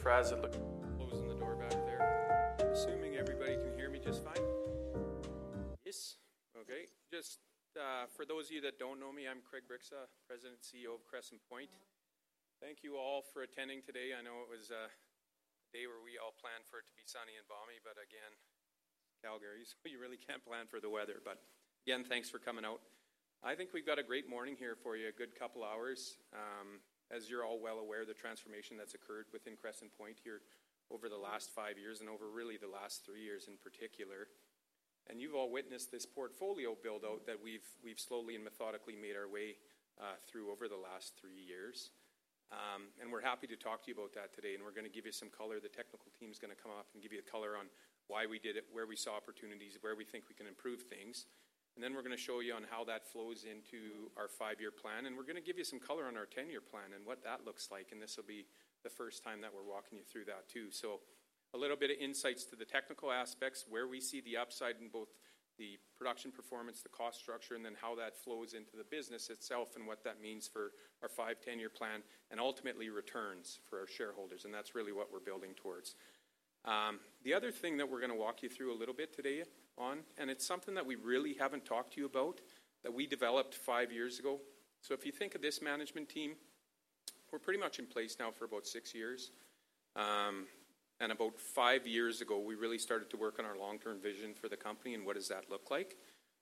Sarfraz, it looks like someone's closing the door back there. Assuming everybody can hear me just fine. Yes? Okay. Just for those of you that don't know me, I'm Craig Bryksa, President and CEO of Crescent Point. Thank you all for attending today. I know it was a day where we all planned for it to be sunny and balmy, but again, it's Calgary, so you really can't plan for the weather. But again, thanks for coming out. I think we've got a great morning here for you, a good couple hours. As you're all well aware, the transformation that's occurred within Crescent Point here over the last five years and over really the last three years in particular. You've all witnessed this portfolio buildout that we've slowly and methodically made our way through over the last three years. We're happy to talk to you about that today. We're going to give you some color. The technical team's going to come up and give you a color on why we did it, where we saw opportunities, where we think we can improve things. Then we're going to show you on how that flows into our five-year plan. We're going to give you some color on our 10-year plan and what that looks like. This will be the first time that we're walking you through that too. A little bit of insights to the technical aspects, where we see the upside in both the production performance, the cost structure, and then how that flows into the business itself and what that means for our five, 10-year plan, and ultimately returns for our shareholders. That's really what we're building towards. The other thing that we're going to walk you through a little bit today on, and it's something that we really haven't talked to you about, that we developed five years ago. So if you think of this management team, we're pretty much in place now for about six years. And about five years ago, we really started to work on our long-term vision for the company and what does that look like.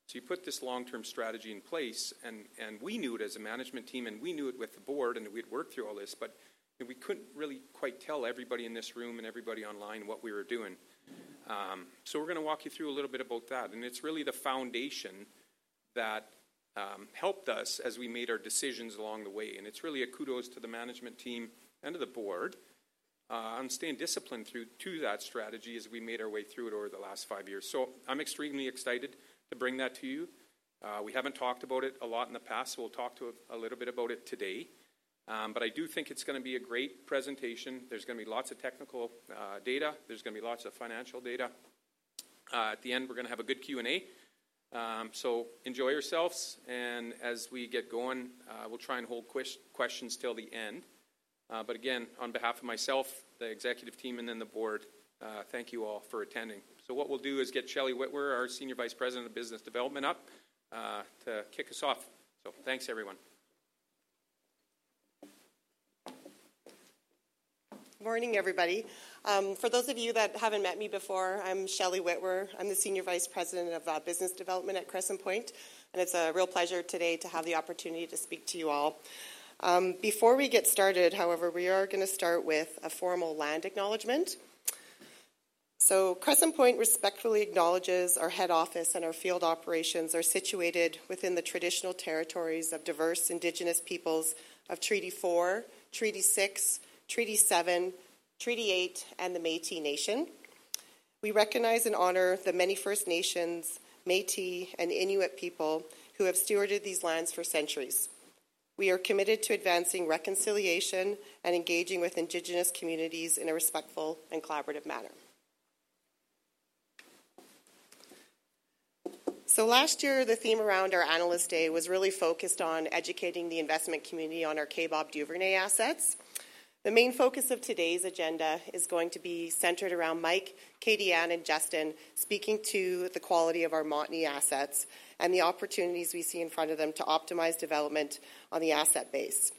So you put this long-term strategy in place, and we knew it as a management team, and we knew it with the Board, and we had worked through all this, but we couldn't really quite tell everybody in this room and everybody online what we were doing. So we're going to walk you through a little bit about that. And it's really the foundation that helped us as we made our decisions along the way. It's really a kudos to the management team and to the Board on staying disciplined through that strategy as we made our way through it over the last five years. So I'm extremely excited to bring that to you. We haven't talked about it a lot in the past, so we'll talk a little bit about it today. But I do think it's going to be a great presentation. There's going to be lots of technical data. There's going to be lots of financial data. At the end, we're going to have a good Q&A. So enjoy yourselves. And as we get going, we'll try and hold questions till the end. But again, on behalf of myself, the executive team, and then the Board, thank you all for attending. So what we'll do is get Shelly Witwer, our Senior Vice President of Business Development, up to kick us off. Thanks, everyone. Morning, everybody. For those of you that haven't met me before, I'm Shelly Witwer. I'm the Senior Vice President of Business Development at Crescent Point. It's a real pleasure today to have the opportunity to speak to you all. Before we get started, however, we are going to start with a formal land acknowledgment. Crescent Point respectfully acknowledges our head office and our field operations are situated within the traditional territories of diverse Indigenous peoples of Treaty 4, Treaty 6, Treaty 7, Treaty 8, and the Métis Nation. We recognize and honor the many First Nations, Métis, and Inuit people who have stewarded these lands for centuries. We are committed to advancing reconciliation and engaging with Indigenous communities in a respectful and collaborative manner. Last year, the theme around our Analyst Day was really focused on educating the investment community on our Kaybob Duvernay assets. The main focus of today's agenda is going to be centered around Mike, Katie Anne, and Justin speaking to the quality of our Montney assets and the opportunities we see in front of them to optimize development on the asset base.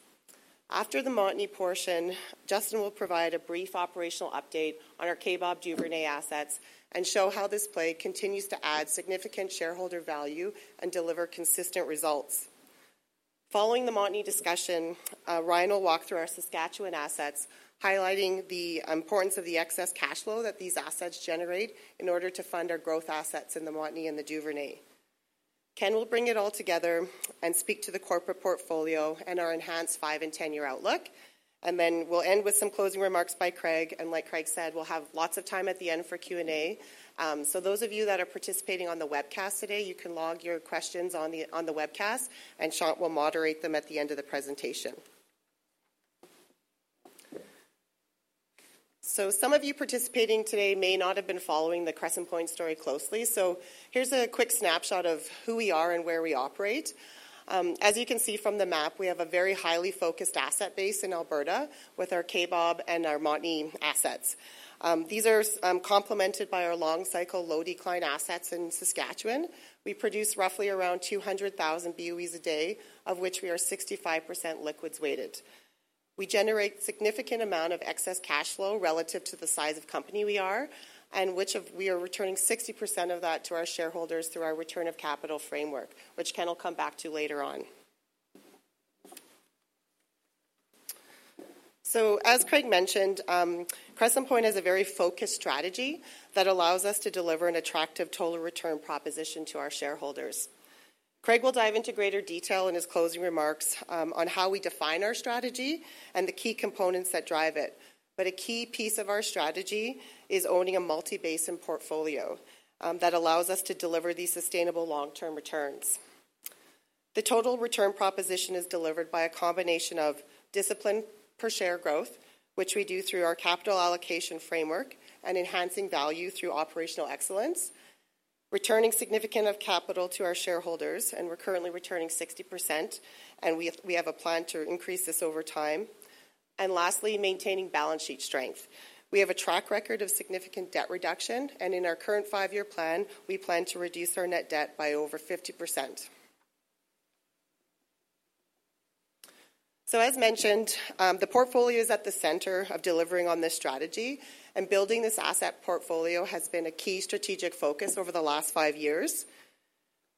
After the Montney portion, Justin will provide a brief operational update on our Kaybob Duvernay assets and show how this play continues to add significant shareholder value and deliver consistent results. Following the Montney discussion, Ryan will walk through our Saskatchewan assets, highlighting the importance of the excess cash flow that these assets generate in order to fund our growth assets in the Montney and the Duvernay. Ken will bring it all together and speak to the corporate portfolio and our enhanced five- and 10-year outlook. Then we'll end with some closing remarks by Craig. Like Craig said, we'll have lots of time at the end for Q&A. So those of you that are participating on the webcast today, you can log your questions on the webcast, and Shant will moderate them at the end of the presentation. So some of you participating today may not have been following the Crescent Point story closely. So here's a quick snapshot of who we are and where we operate. As you can see from the map, we have a very highly focused asset base in Alberta with our Kaybob and our Montney assets. These are complemented by our long-cycle low-decline assets in Saskatchewan. We produce roughly around 200,000 boes a day, of which we are 65% liquids weighted. We generate a significant amount of excess cash flow relative to the size of company we are, and we are returning 60% of that to our shareholders through our return of capital framework, which Ken will come back to later on. So as Craig mentioned, Crescent Point has a very focused strategy that allows us to deliver an attractive total return proposition to our shareholders. Craig will dive into greater detail in his closing remarks on how we define our strategy and the key components that drive it. But a key piece of our strategy is owning a multi-basin portfolio that allows us to deliver these sustainable long-term returns. The total return proposition is delivered by a combination of discipline per share growth, which we do through our capital allocation framework and enhancing value through operational excellence, returning significant amounts of capital to our shareholders, and we're currently returning 60%. We have a plan to increase this over time. Lastly, maintaining balance sheet strength. We have a track record of significant debt reduction. In our current five-year plan, we plan to reduce our net debt by over 50%. So as mentioned, the portfolio is at the center of delivering on this strategy. Building this asset portfolio has been a key strategic focus over the last five years.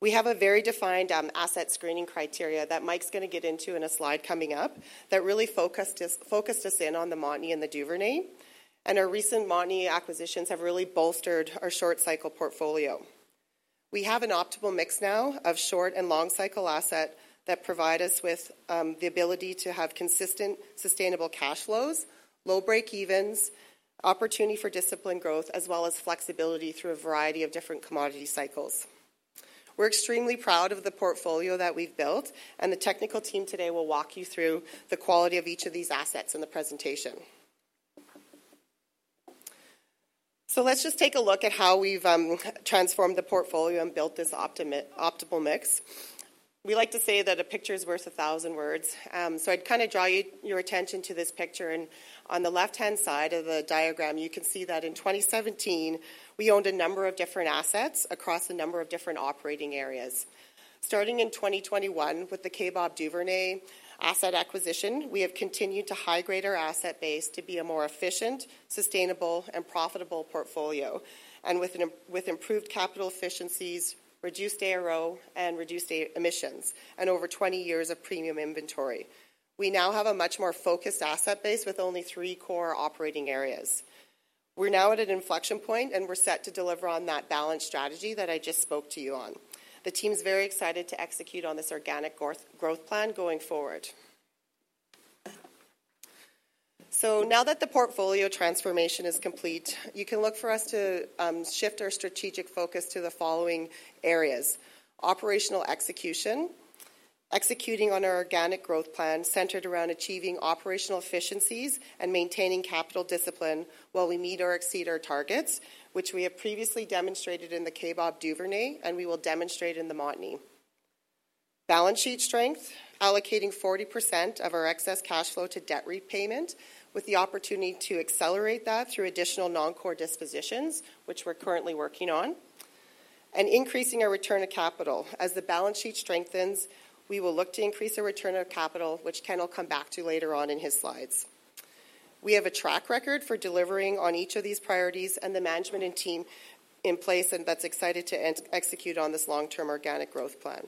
We have a very defined asset screening criteria that Mike's going to get into in a slide coming up that really focused us in on the Montney and the Duvernay. Our recent Montney acquisitions have really bolstered our short-cycle portfolio. We have an optimal mix now of short and long-cycle assets that provide us with the ability to have consistent, sustainable cash flows, low break-evens, opportunity for discipline growth, as well as flexibility through a variety of different commodity cycles. We're extremely proud of the portfolio that we've built. The technical team today will walk you through the quality of each of these assets in the presentation. Let's just take a look at how we've transformed the portfolio and built this optimal mix. We like to say that a picture is worth 1,000 words. I'd kind of draw your attention to this picture. On the left-hand side of the diagram, you can see that in 2017, we owned a number of different assets across a number of different operating areas. Starting in 2021 with the Kaybob Duvernay asset acquisition, we have continued to high-grade our asset base to be a more efficient, sustainable, and profitable portfolio, and with improved capital efficiencies, reduced ARO, and reduced emissions, and over 20 years of premium inventory. We now have a much more focused asset base with only three core operating areas. We're now at an inflection point, and we're set to deliver on that balanced strategy that I just spoke to you on. The team's very excited to execute on this organic growth plan going forward. So now that the portfolio transformation is complete, you can look for us to shift our strategic focus to the following areas: operational execution, executing on our organic growth plan centered around achieving operational efficiencies and maintaining capital discipline while we meet or exceed our targets, which we have previously demonstrated in the Kaybob Duvernay, and we will demonstrate in the Montney. Balance sheet strength, allocating 40% of our excess cash flow to debt repayment with the opportunity to accelerate that through additional non-core dispositions, which we're currently working on. And increasing our return of capital. As the balance sheet strengthens, we will look to increase our return of capital, which Ken will come back to later on in his slides. We have a track record for delivering on each of these priorities and the management and team in place that's excited to execute on this long-term organic growth plan.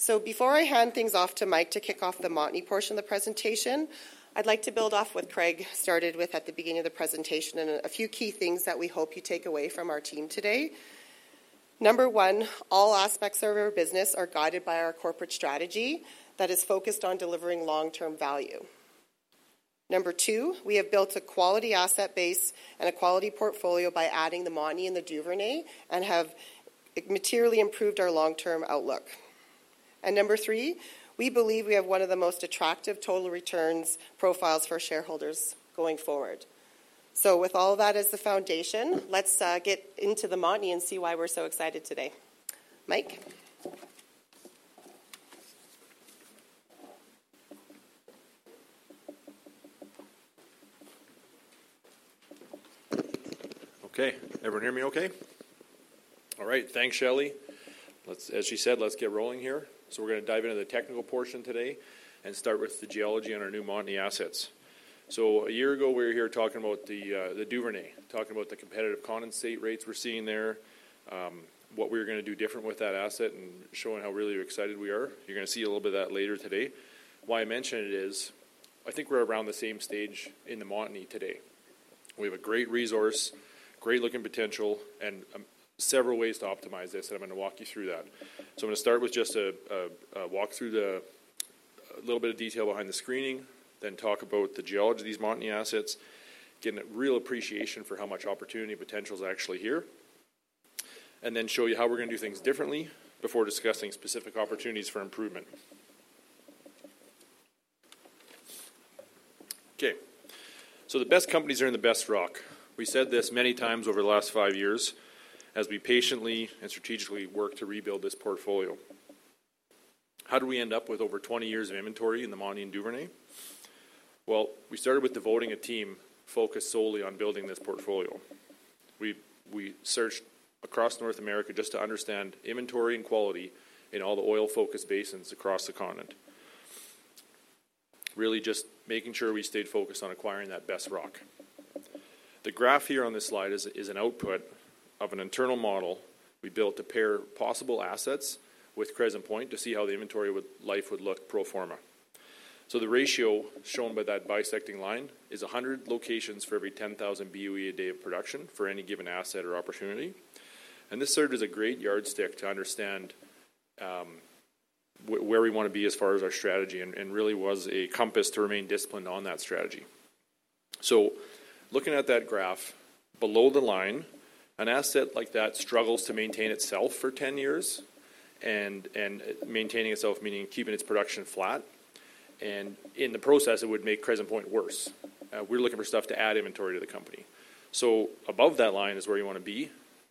So before I hand things off to Mike to kick off the Montney portion of the presentation, I'd like to build off what Craig started with at the beginning of the presentation and a few key things that we hope you take away from our team today. Number one, all aspects of our business are guided by our corporate strategy that is focused on delivering long-term value. Number two, we have built a quality asset base and a quality portfolio by adding the Montney and the Duvernay and have materially improved our long-term outlook. Number three, we believe we have one of the most attractive total returns profiles for our shareholders going forward. With all of that as the foundation, let's get into the Montney and see why we're so excited today. Mike? Okay. Everyone hear me okay? All right. Thanks, Shelly. As she said, let's get rolling here. So we're going to dive into the technical portion today and start with the geology on our new Montney assets. So a year ago, we were here talking about the Duvernay, talking about the competitive condensate rates we're seeing there, what we were going to do different with that asset, and showing how really excited we are. You're going to see a little bit of that later today. Why I mention it is I think we're around the same stage in the Montney today. We have a great resource, great-looking potential, and several ways to optimize this. I'm going to walk you through that. So I'm going to start with just a walk through a little bit of detail behind the screening, then talk about the geology of these Montney assets, getting a real appreciation for how much opportunity potential is actually here, and then show you how we're going to do things differently before discussing specific opportunities for improvement. Okay. So the best companies are in the best rock. We said this many times over the last five years as we patiently and strategically work to rebuild this portfolio. How did we end up with over 20 years of inventory in the Montney and Duvernay? Well, we started with devoting a team focused solely on building this portfolio. We searched across North America just to understand inventory and quality in all the oil-focused basins across the continent, really just making sure we stayed focused on acquiring that best rock. The graph here on this slide is an output of an internal model we built to pair possible assets with Crescent Point to see how the inventory life would look pro forma. So the ratio shown by that bisecting line is 100 locations for every 10,000 boe a day of production for any given asset or opportunity. This served as a great yardstick to understand where we want to be as far as our strategy and really was a compass to remain disciplined on that strategy. So looking at that graph, below the line, an asset like that struggles to maintain itself for 10 years. Maintaining itself meaning keeping its production flat. In the process, it would make Crescent Point worse. We're looking for stuff to add inventory to the company. So above that line is where you want to be.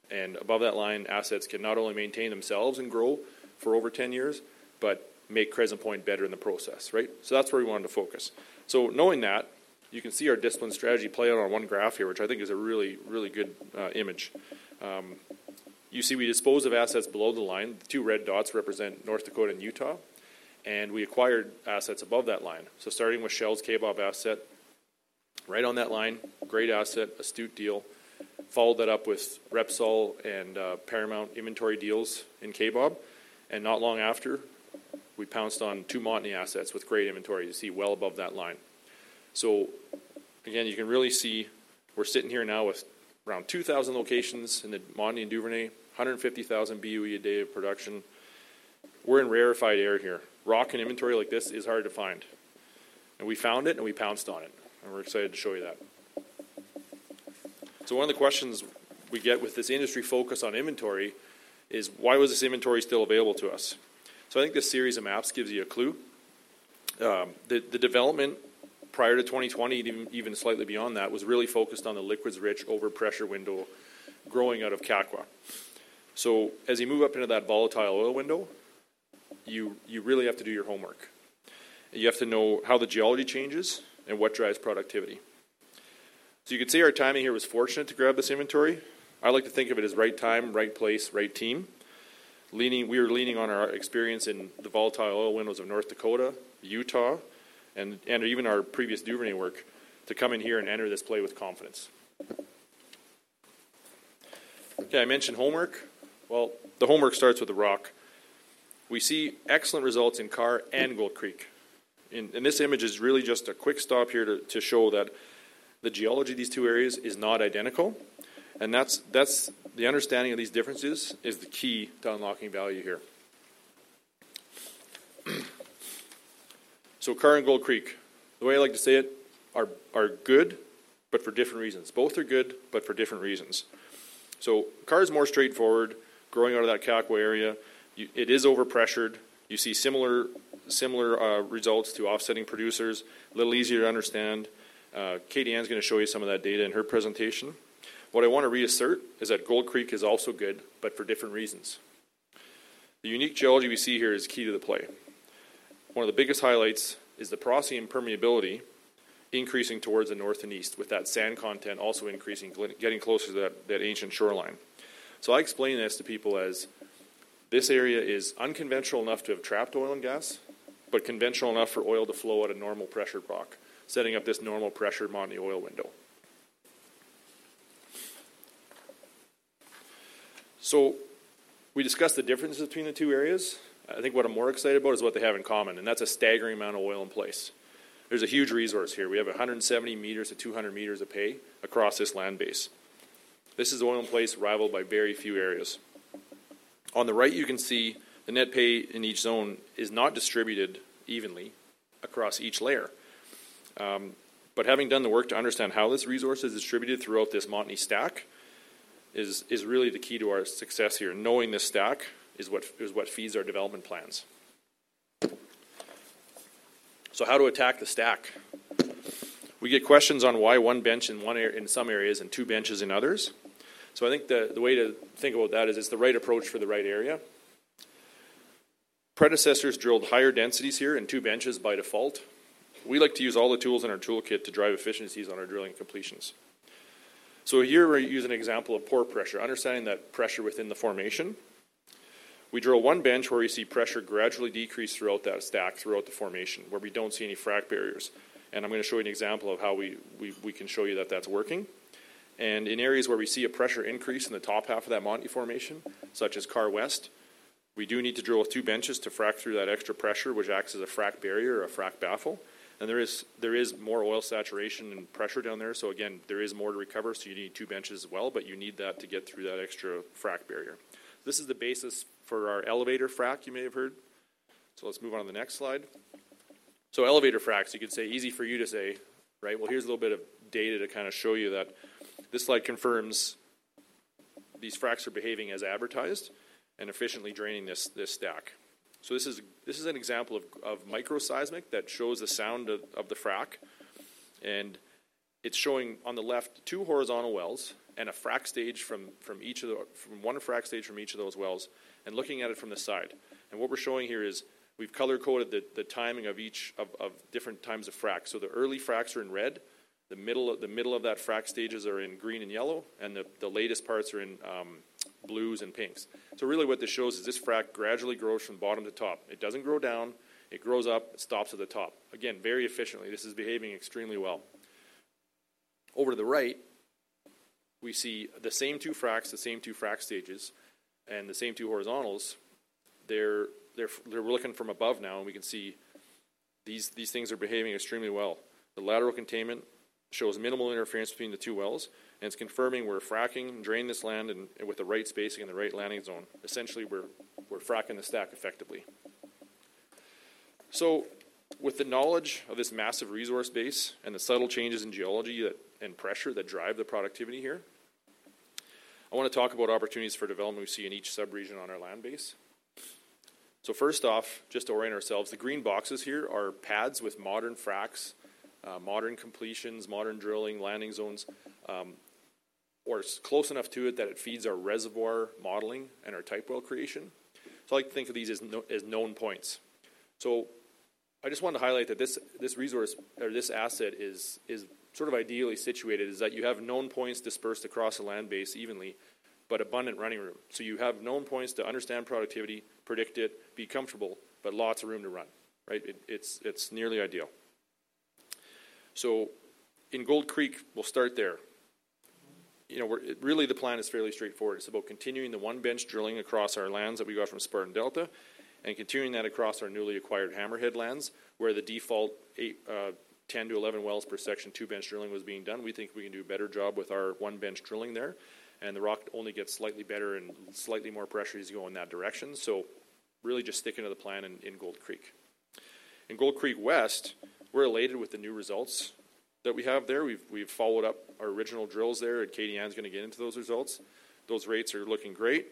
And above that line, assets can not only maintain themselves and grow for over 10 years but make Crescent Point better in the process, right? So that's where we wanted to focus. So knowing that, you can see our disciplined strategy play out on one graph here, which I think is a really, really good image. You see we dispose of assets below the line. The two red dots represent North Dakota and Utah. And we acquired assets above that line. So starting with Shell's Kaybob asset, right on that line, great asset, astute deal, followed that up with Repsol and Paramount inventory deals in Kaybob. And not long after, we pounced on two Montney assets with great inventory. You see well above that line. So again, you can really see we're sitting here now with around 2,000 locations in the Montney and Duvernay, 150,000 boe a day of production. We're in rarefied air here. Rock and inventory like this is hard to find. And we found it, and we pounced on it. And we're excited to show you that. So one of the questions we get with this industry focus on inventory is, why was this inventory still available to us? So I think this series of maps gives you a clue. The development prior to 2020, even slightly beyond that, was really focused on the liquids-rich overpressure window growing out of Kakwa. So as you move up into that volatile oil window, you really have to do your homework. You have to know how the geology changes and what drives productivity. So you could say our timing here was fortunate to grab this inventory. I like to think of it as right time, right place, right team. We were leaning on our experience in the volatile oil windows of North Dakota, Utah, and even our previous Duvernay work to come in here and enter this play with confidence. Okay. I mentioned homework. Well, the homework starts with the rock. We see excellent results in Karr and Gold Creek. And this image is really just a quick stop here to show that the geology of these two areas is not identical. And the understanding of these differences is the key to unlocking value here. So Karr and Gold Creek, the way I like to say it, are good but for different reasons. Both are good but for different reasons. So Karr is more straightforward, growing out of that Kakwa area. It is overpressured. You see similar results to offsetting producers, a little easier to understand. Katie Anne's going to show you some of that data in her presentation. What I want to reassert is that Gold Creek is also good but for different reasons. The unique geology we see here is key to the play. One of the biggest highlights is the porosity permeability increasing towards the north and east with that sand content also getting closer to that ancient shoreline. So I explain this to people as this area is unconventional enough to have trapped oil and gas but conventional enough for oil to flow at a normally pressured rock, setting up this normal pressured Montney oil window. So we discussed the differences between the two areas. I think what I'm more excited about is what they have in common. That's a staggering amount of oil in place. There's a huge resource here. We have 170 m-200 m of pay across this land base. This is oil in place rivaled by very few areas. On the right, you can see the net pay in each zone is not distributed evenly across each layer. But having done the work to understand how this resource is distributed throughout this Montney stack is really the key to our success here. Knowing this stack is what feeds our development plans. So how to attack the stack? We get questions on why one bench in some areas and two benches in others. So I think the way to think about that is it's the right approach for the right area. Predecessors drilled higher densities here in two benches by default. We like to use all the tools in our toolkit to drive efficiencies on our drilling completions. So here we're using an example of pore pressure, understanding that pressure within the formation. We drill one bench where we see pressure gradually decrease throughout that stack, throughout the formation, where we don't see any frac barriers. I'm going to show you an example of how we can show you that that's working. In areas where we see a pressure increase in the top half of that Montney formation, such as Karr West, we do need to drill two benches to frac through that extra pressure, which acts as a frac barrier or a frac baffle. There is more oil saturation and pressure down there. Again, there is more to recover. You need two benches as well. But you need that to get through that extra frac barrier. This is the basis for our elevator frac, you may have heard. Let's move on to the next slide. So elevator fracs, you could say easy for you to say, right? Well, here's a little bit of data to kind of show you that this slide confirms these fracs are behaving as advertised and efficiently draining this stack. So this is an example of microseismic that shows the sound of the frac. And it's showing on the left two horizontal wells and a frac stage from each of the one frac stage from each of those wells and looking at it from the side. And what we're showing here is we've color-coded the timing of different times of frac. So the early fracs are in red. The middle of that frac stages are in green and yellow. And the latest parts are in blues and pinks. So really what this shows is this frac gradually grows from bottom to top. It doesn't grow down. It grows up. It stops at the top, again, very efficiently. This is behaving extremely well. Over to the right, we see the same two fracs, the same two frac stages, and the same two horizontals. We're looking from above now. We can see these things are behaving extremely well. The lateral containment shows minimal interference between the two wells. It's confirming we're fracking, draining this land with the right spacing and the right landing zone. Essentially, we're fracking the stack effectively. With the knowledge of this massive resource base and the subtle changes in geology and pressure that drive the productivity here, I want to talk about opportunities for development we see in each subregion on our land base. So first off, just to orient ourselves, the green boxes here are pads with modern fracs, modern completions, modern drilling, landing zones, or close enough to it that it feeds our reservoir modeling and our type well creation. So I like to think of these as known points. So I just wanted to highlight that this resource or this asset is sort of ideally situated is that you have known points dispersed across the land base evenly but abundant running room. So you have known points to understand productivity, predict it, be comfortable, but lots of room to run, right? It's nearly ideal. So in Gold Creek, we'll start there. Really, the plan is fairly straightforward. It's about continuing the one-bench drilling across our lands that we got from Spartan Delta and continuing that across our newly acquired Hammerhead lands, where the default 10-11 wells per section two-bench drilling was being done. We think we can do a better job with our one-bench drilling there. The rock only gets slightly better and slightly more pressure as you go in that direction. Really just sticking to the plan in Gold Creek. In Gold Creek West, we're elated with the new results that we have there. We've followed up our original drills there. Katie Anne's going to get into those results. Those rates are looking great.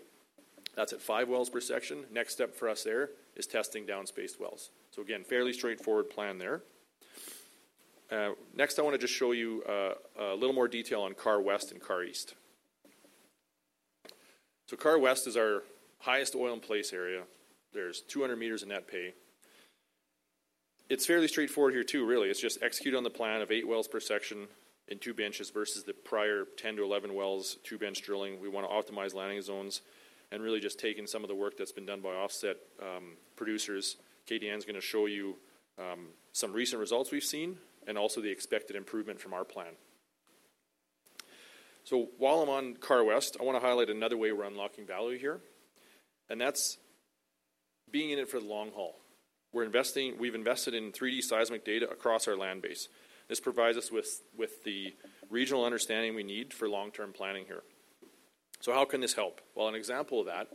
That's at five wells per section. Next step for us there is testing downspaced wells. Again, fairly straightforward plan there. Next, I want to just show you a little more detail on Karr West and Karr East. Karr West is our highest oil in place area. There's 200 meters of net pay. It's fairly straightforward here too, really. It's just execute on the plan of 8 wells per section in 2 benches versus the prior 10-11 wells, two-bench drilling. We want to optimize landing zones and really just take in some of the work that's been done by offset producers. Katie Anne's going to show you some recent results we've seen and also the expected improvement from our plan. While I'm on Karr West, I want to highlight another way we're unlocking value here. That's being in it for the long haul. We've invested in 3D seismic data across our land base. This provides us with the regional understanding we need for long-term planning here. So how can this help? Well, an example of that,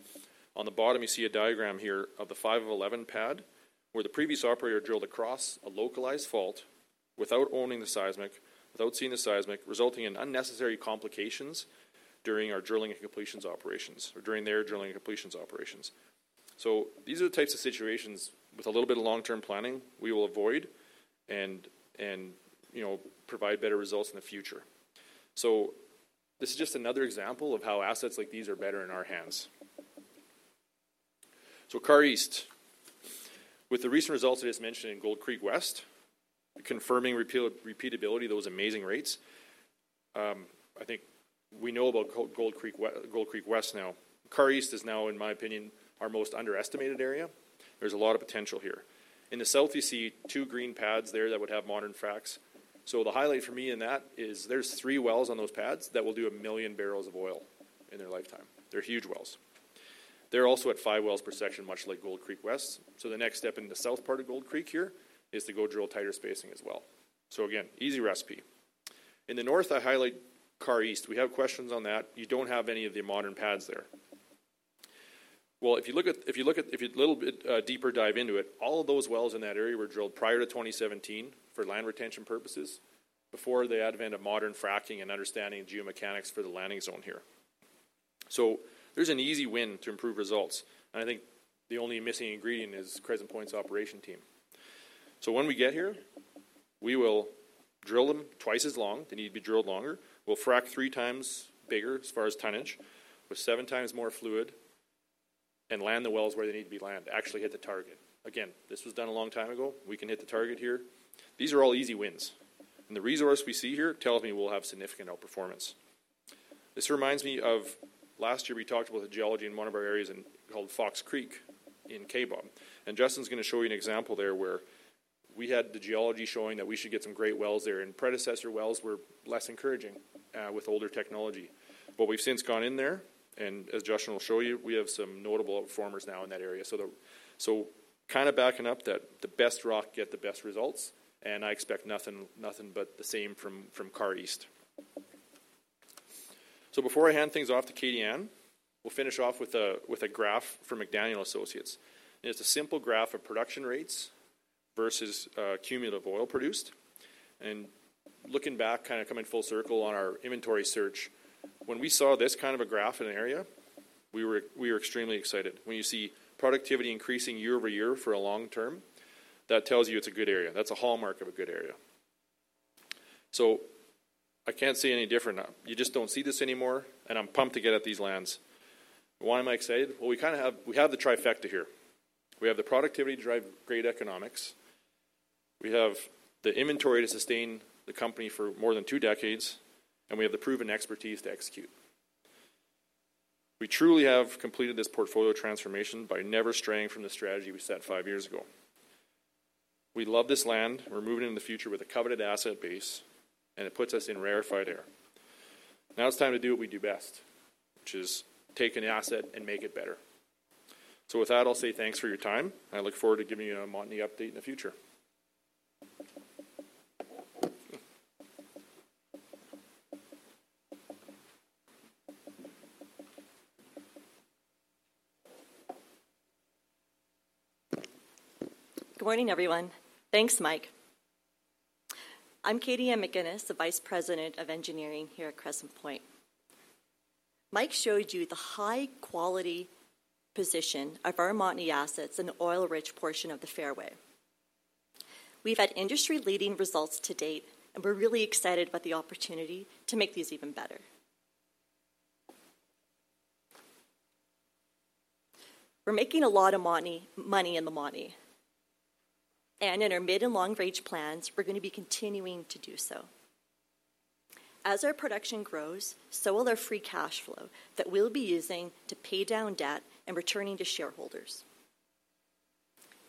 on the bottom, you see a diagram here of the 5 of 11 pad where the previous operator drilled across a localized fault without owning the seismic, without seeing the seismic, resulting in unnecessary complications during our drilling and completions operations or during their drilling and completions operations. So these are the types of situations with a little bit of long-term planning we will avoid and provide better results in the future. So this is just another example of how assets like these are better in our hands. So Karr East, with the recent results I just mentioned in Gold Creek West, confirming repeatability, those amazing rates, I think we know about Gold Creek West now. Karr East is now, in my opinion, our most underestimated area. There's a lot of potential here. In the south, you see two green pads there that would have modern fracs. So the highlight for me in that is there's three wells on those pads that will do a million barrels of oil in their lifetime. They're huge wells. They're also at five wells per section, much like Gold Creek West. So the next step in the south part of Gold Creek here is to go drill tighter spacing as well. So again, easy recipe. In the north, I highlight Karr East. We have questions on that. You don't have any of the modern pads there. Well, if you look at a little bit deeper dive into it, all of those wells in that area were drilled prior to 2017 for land retention purposes before the advent of modern fracking and understanding geomechanics for the landing zone here. So there's an easy win to improve results. I think the only missing ingredient is Crescent Point's operation team. When we get here, we will drill them 2 times as long. They need to be drilled longer. We'll frac 3 times bigger as far as tonnage with 7 times more fluid and land the wells where they need to be land, actually hit the target. Again, this was done a long time ago. We can hit the target here. These are all easy wins. And the resource we see here tells me we'll have significant outperformance. This reminds me of last year we talked about the geology in one of our areas called Fox Creek in Kaybob. And Justin's going to show you an example there where we had the geology showing that we should get some great wells there. And predecessor wells were less encouraging with older technology. But we've since gone in there. And as Justin will show you, we have some notable outperformers now in that area. So kind of backing up that the best rock get the best results. And I expect nothing but the same from Karr East. So before I hand things off to Katie Anne, we'll finish off with a graph from McDaniel & Associates. And it's a simple graph of production rates versus cumulative oil produced. And looking back, kind of coming full circle on our inventory search, when we saw this kind of a graph in an area, we were extremely excited. When you see productivity increasing year-over-year for a long term, that tells you it's a good area. That's a hallmark of a good area. So I can't say any different. You just don't see this anymore. And I'm pumped to get at these lands. Why am I excited? Well, we have the trifecta here. We have the productivity to drive great economics. We have the inventory to sustain the company for more than two decades. And we have the proven expertise to execute. We truly have completed this portfolio transformation by never straying from the strategy we set five years ago. We love this land. We're moving into the future with a coveted asset base. And it puts us in rarefied air. Now it's time to do what we do best, which is take an asset and make it better. So with that, I'll say thanks for your time. And I look forward to giving you a Montney update in the future. Good morning, everyone. Thanks, Mike. I'm Katie Anne McGuinness, the Vice President of Engineering here at Crescent Point. Mike showed you the high-quality position of our Montney assets in the oil-rich portion of the fairway. We've had industry-leading results to date. We're really excited about the opportunity to make these even better. We're making a lot of Montney money in the Montney. In our mid and long-range plans, we're going to be continuing to do so. As our production grows, so will our free cash flow that we'll be using to pay down debt and returning to shareholders.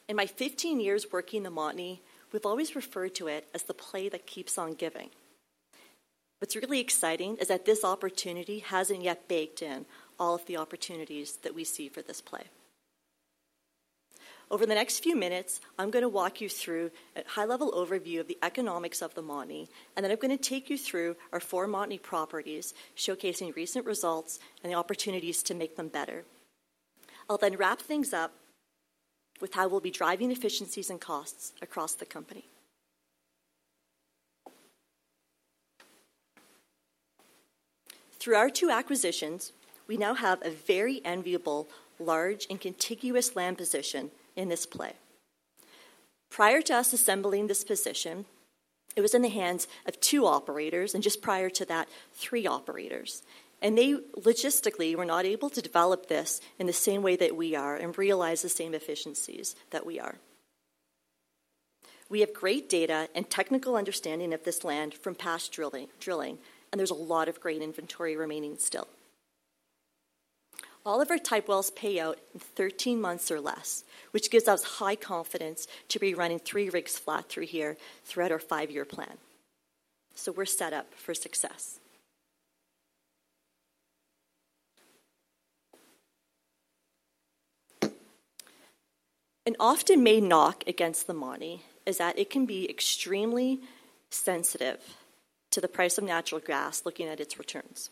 In my 15 years working the Montney, we've always referred to it as the play that keeps on giving. What's really exciting is that this opportunity hasn't yet baked in all of the opportunities that we see for this play. Over the next few minutes, I'm going to walk you through a high-level overview of the economics of the Montney. Then I'm going to take you through our four Montney properties, showcasing recent results and the opportunities to make them better. I'll then wrap things up with how we'll be driving efficiencies and costs across the company. Through our two acquisitions, we now have a very enviable, large, and contiguous land position in this play. Prior to us assembling this position, it was in the hands of two operators. Just prior to that, three operators. They logistically were not able to develop this in the same way that we are and realize the same efficiencies that we are. We have great data and technical understanding of this land from past drilling. There's a lot of great inventory remaining still. All of our type wells pay out in 13 months or less, which gives us high confidence to be running three rigs flat through here throughout our five-year plan. So we're set up for success. An often-made knock against the Montney is that it can be extremely sensitive to the price of natural gas looking at its returns.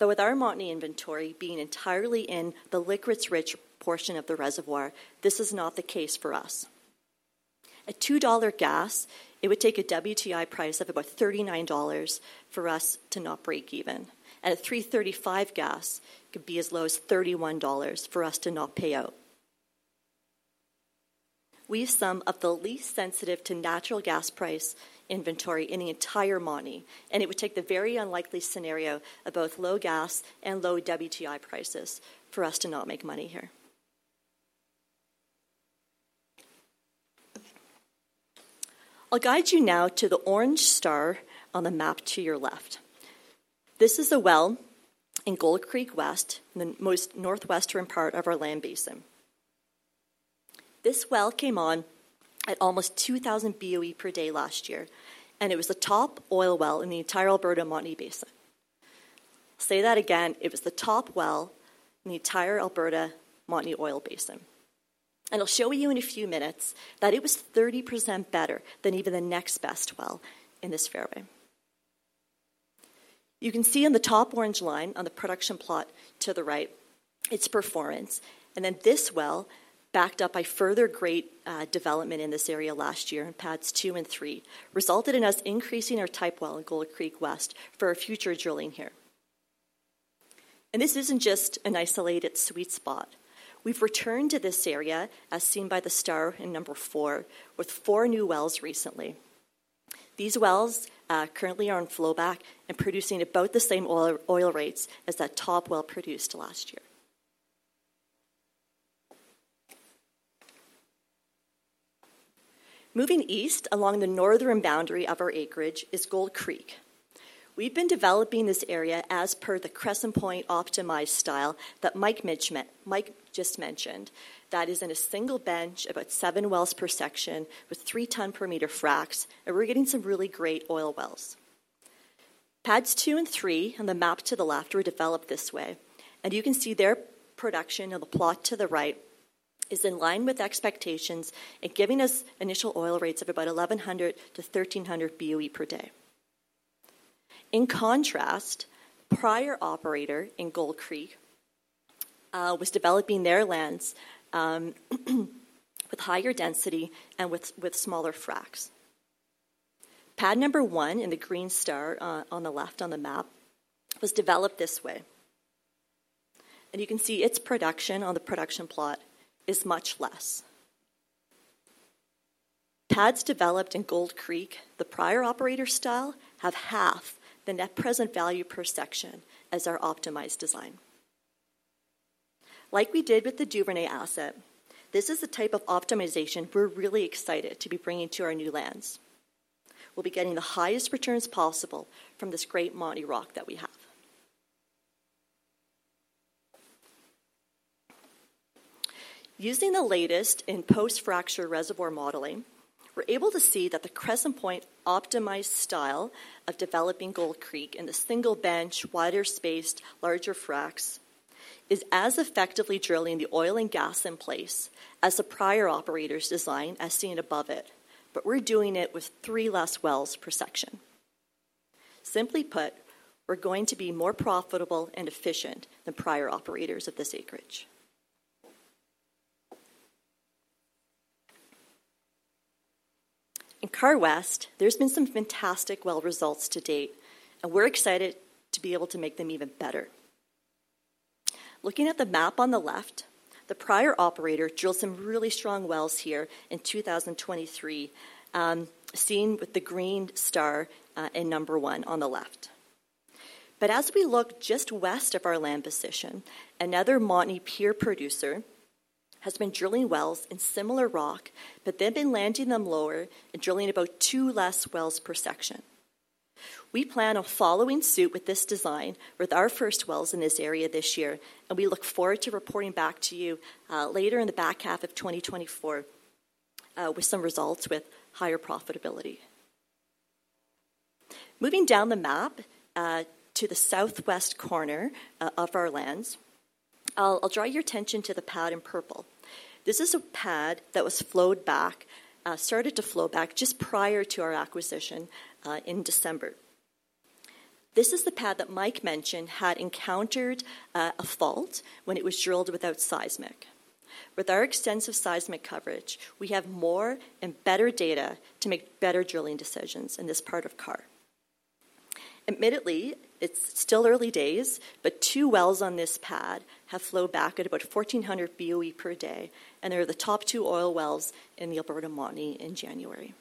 But with our Montney inventory being entirely in the liquids-rich portion of the reservoir, this is not the case for us. At $2 gas, it would take a WTI price of about $39 for us to not break even. And at $3.35 gas, it could be as low as $31 for us to not pay out. We have some of the least sensitive-to-natural-gas price inventory in the entire Montney. And it would take the very unlikely scenario of both low gas and low WTI prices for us to not make money here. I'll guide you now to the orange star on the map to your left. This is a well in Gold Creek West, the most northwestern part of our land base. This well came on at almost 2,000 boe per day last year. It was the top oil well in the entire Alberta Montney basin. I'll say that again. It was the top well in the entire Alberta Montney oil basin. I'll show you in a few minutes that it was 30% better than even the next best well in this fairway. You can see on the top orange line on the production plot to the right, its performance. Then this well, backed up by further great development in this area last year in pads two and three, resulted in us increasing our type well in Gold Creek West for our future drilling here. This isn't just an isolated sweet spot. We've returned to this area, as seen by the star and number 4, with 4 new wells recently. These wells currently are on flowback and producing about the same oil rates as that top well produced last year. Moving east along the northern boundary of our acreage is Gold Creek. We've been developing this area as per the Crescent Point optimized style that Mike just mentioned, that is, in a single bench about 7 wells per section with 3-ton-per-meter fracs. And we're getting some really great oil wells. Pads 2 and 3 on the map to the left were developed this way. And you can see their production on the plot to the right is in line with expectations and giving us initial oil rates of about 1,100-1,300 boe per day. In contrast, the prior operator in Gold Creek was developing their lands with higher density and with smaller fracs. Pad number one in the green star on the left on the map was developed this way. You can see its production on the production plot is much less. Pads developed in Gold Creek, the prior operator style, have half the net present value per section as our optimized design. Like we did with the Duvernay asset, this is the type of optimization we're really excited to be bringing to our new lands. We'll be getting the highest returns possible from this great Montney rock that we have. Using the latest in post-fracture reservoir modeling, we're able to see that the Crescent Point optimized style of developing Gold Creek in the single bench, wider spaced, larger fracs is as effectively drilling the oil and gas in place as the prior operator's design, as seen above it. We're doing it with 3 less wells per section. Simply put, we're going to be more profitable and efficient than prior operators of this acreage. In Karr West, there's been some fantastic well results to date. We're excited to be able to make them even better. Looking at the map on the left, the prior operator drilled some really strong wells here in 2023, seen with the green star and number one on the left. But as we look just west of our land position, another Montney peer producer has been drilling wells in similar rock but then been landing them lower and drilling about 2 less wells per section. We plan on following suit with this design with our first wells in this area this year. And we look forward to reporting back to you later in the back half of 2024 with some results with higher profitability. Moving down the map to the southwest corner of our lands, I'll draw your attention to the pad in purple. This is a pad that was flowed back, started to flow back just prior to our acquisition in December. This is the pad that Mike mentioned had encountered a fault when it was drilled without seismic. With our extensive seismic coverage, we have more and better data to make better drilling decisions in this part of Karr. Admittedly, it's still early days. But two wells on this pad have flowed back at about 1,400 boe per day. And they're the top two oil wells in the Alberta Montney in January.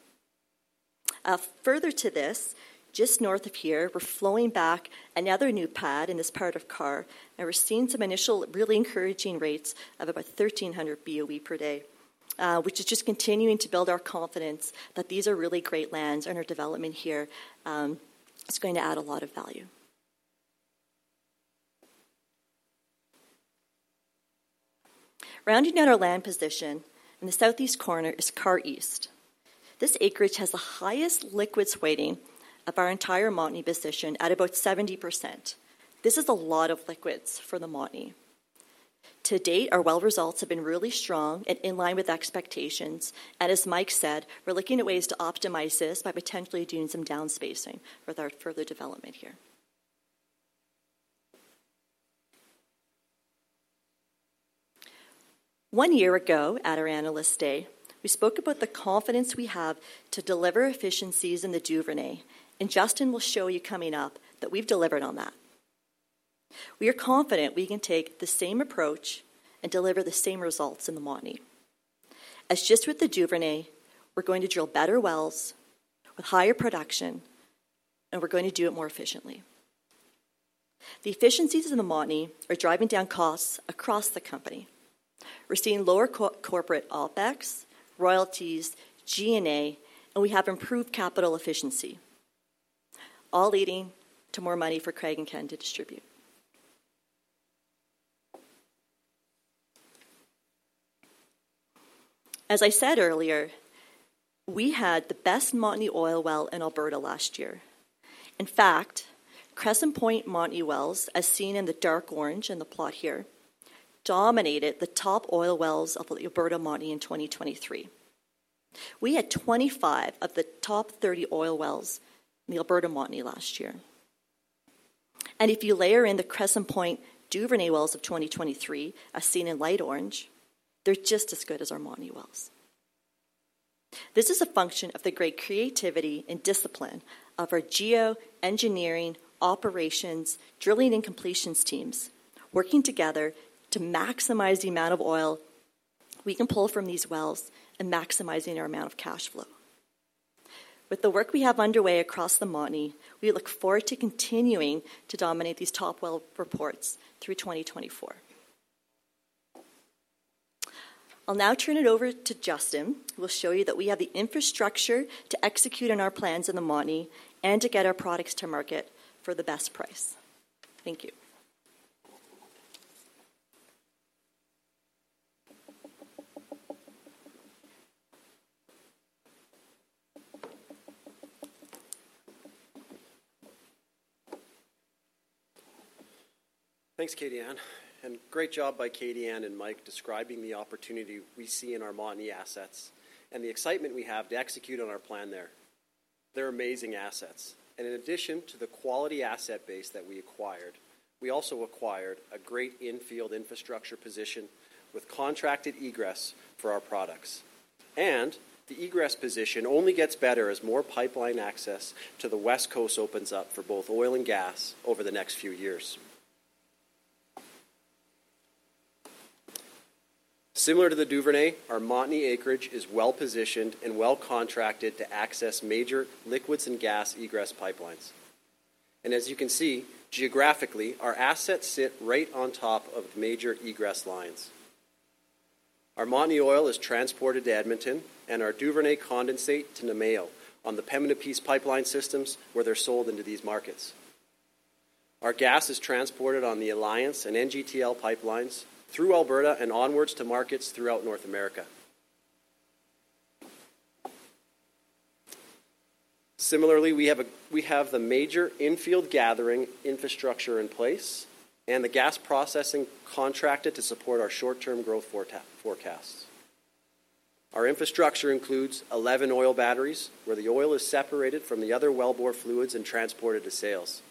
Further to this, just north of here, we're flowing back another new pad in this part of Karr. And we're seeing some initial really encouraging rates of about 1,300 boe per day, which is just continuing to build our confidence that these are really great lands. And our development here is going to add a lot of value. Rounding out our land position in the southeast corner is Karr East. This acreage has the highest liquids weighting of our entire Montney position at about 70%. This is a lot of liquids for the Montney. To date, our well results have been really strong and in line with expectations. And as Mike said, we're looking at ways to optimize this by potentially doing some downspacing with our further development here. One year ago at our analysts' day, we spoke about the confidence we have to deliver efficiencies in the Duvernay. And Justin will show you coming up that we've delivered on that. We are confident we can take the same approach and deliver the same results in the Montney. As just with the Duvernay, we're going to drill better wells with higher production. And we're going to do it more efficiently. The efficiencies in the Montney are driving down costs across the company. We're seeing lower corporate OpEx, royalties, G&A. And we have improved capital efficiency, all leading to more money for Craig and Ken to distribute. As I said earlier, we had the best Montney oil well in Alberta last year. In fact, Crescent Point Montney wells, as seen in the dark orange in the plot here, dominated the top oil wells of the Alberta Montney in 2023. We had 25 of the top 30 oil wells in the Alberta Montney last year. And if you layer in the Crescent Point Duvernay wells of 2023, as seen in light orange, they're just as good as our Montney wells. This is a function of the great creativity and discipline of our geoengineering, operations, drilling, and completions teams working together to maximize the amount of oil we can pull from these wells and maximizing our amount of cash flow. With the work we have underway across the Montney, we look forward to continuing to dominate these top well reports through 2024. I'll now turn it over to Justin, who will show you that we have the infrastructure to execute on our plans in the Montney and to get our products to market for the best price. Thank you. Thanks, Katie Anne. And great job by Katie Anne and Mike describing the opportunity we see in our Montney assets and the excitement we have to execute on our plan there. They're amazing assets. And in addition to the quality asset base that we acquired, we also acquired a great infield infrastructure position with contracted egress for our products. And the egress position only gets better as more pipeline access to the West Coast opens up for both oil and gas over the next few years. Similar to the Duvernay, our Montney acreage is well positioned and well contracted to access major liquids and gas egress pipelines. And as you can see, geographically, our assets sit right on top of major egress lines. Our Montney oil is transported to Edmonton. And our Duvernay condensate to Namao on the Pembina Peace Pipeline systems where they're sold into these markets. Our gas is transported on the Alliance and NGTL pipelines through Alberta and onward to markets throughout North America. Similarly, we have the major infield gathering infrastructure in place and the gas processing contracted to support our short-term growth forecasts. Our infrastructure includes 11 oil batteries where the oil is separated from the other well-bore fluids and transported to sales.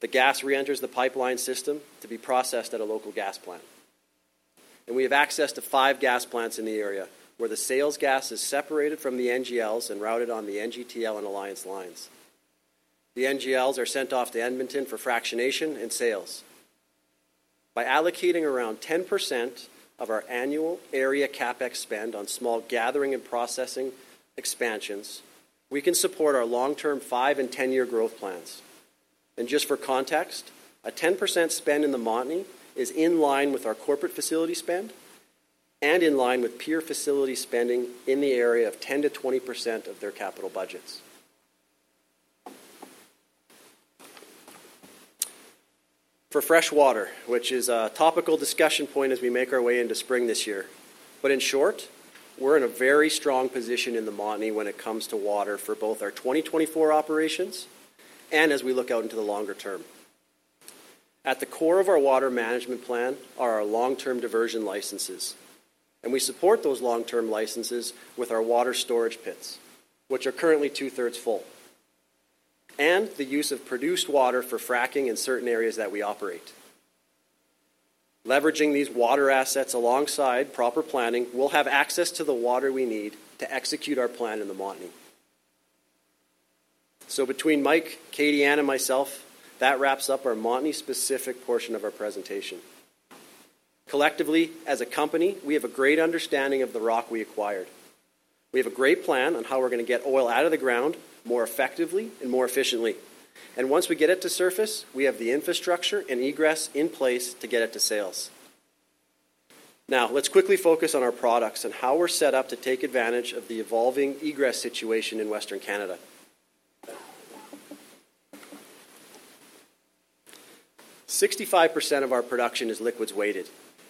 The gas reenters the pipeline system to be processed at a local gas plant. We have access to five gas plants in the area where the sales gas is separated from the NGLs and routed on the NGTL and Alliance lines. The NGLs are sent off to Edmonton for fractionation and sales. By allocating around 10% of our annual area CapEx spend on small gathering and processing expansions, we can support our long-term 5- and 10-year growth plans. Just for context, a 10% spend in the Montney is in line with our corporate facility spend and in line with peer facility spending in the area of 10%-20% of their capital budgets. For freshwater, which is a topical discussion point as we make our way into spring this year. In short, we're in a very strong position in the Montney when it comes to water for both our 2024 operations and as we look out into the longer term. At the core of our water management plan are our long-term diversion licenses. We support those long-term licenses with our water storage pits, which are currently two-thirds full, and the use of produced water for fracking in certain areas that we operate. Leveraging these water assets alongside proper planning will have access to the water we need to execute our plan in the Montney. So between Mike, Katie Anne, and myself, that wraps up our Montney-specific portion of our presentation. Collectively, as a company, we have a great understanding of the rock we acquired. We have a great plan on how we're going to get oil out of the ground more effectively and more efficiently. Once we get it to surface, we have the infrastructure and egress in place to get it to sales. Now, let's quickly focus on our products and how we're set up to take advantage of the evolving egress situation in Western Canada. 65% of our production is liquids weighted.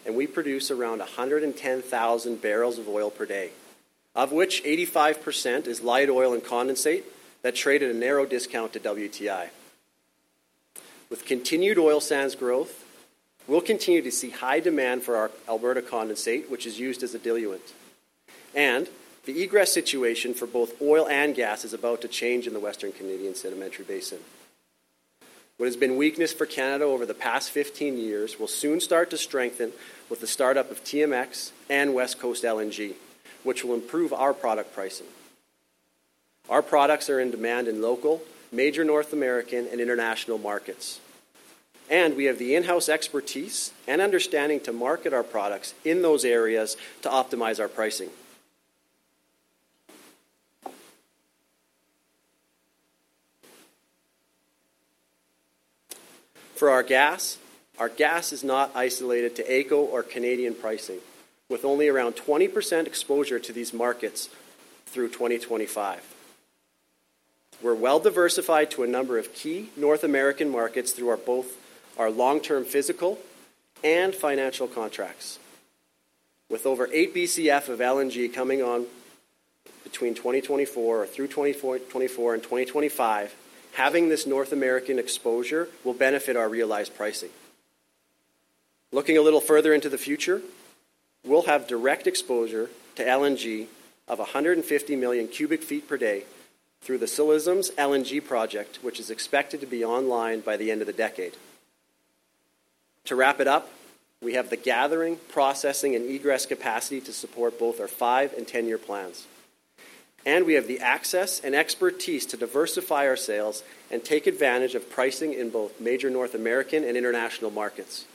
We produce around 110,000 barrels of oil per day, of which 85% is light oil and condensate that trade at a narrow discount to WTI. With continued oil sands growth, we'll continue to see high demand for our Alberta condensate, which is used as a diluent. The egress situation for both oil and gas is about to change in the Western Canadian Sedimentary Basin. What has been weakness for Canada over the past 15 years will soon start to strengthen with the startup of TMX and West Coast LNG, which will improve our product pricing. Our products are in demand in local, major North American, and international markets. We have the in-house expertise and understanding to market our products in those areas to optimize our pricing. For our gas, our gas is not isolated to ACO or Canadian pricing, with only around 20% exposure to these markets through 2025. We're well diversified to a number of key North American markets through our long-term physical and financial contracts. With over 8 BCF of LNG coming on between 2024 or through 2024 and 2025, having this North American exposure will benefit our realized pricing. Looking a little further into the future, we'll have direct exposure to LNG of 150 million cubic feet per day through the Ksi Lisims LNG project, which is expected to be online by the end of the decade. To wrap it up, we have the gathering, processing, and egress capacity to support both our 5- and 10-year plans. We have the access and expertise to diversify our sales and take advantage of pricing in both major North American and international markets.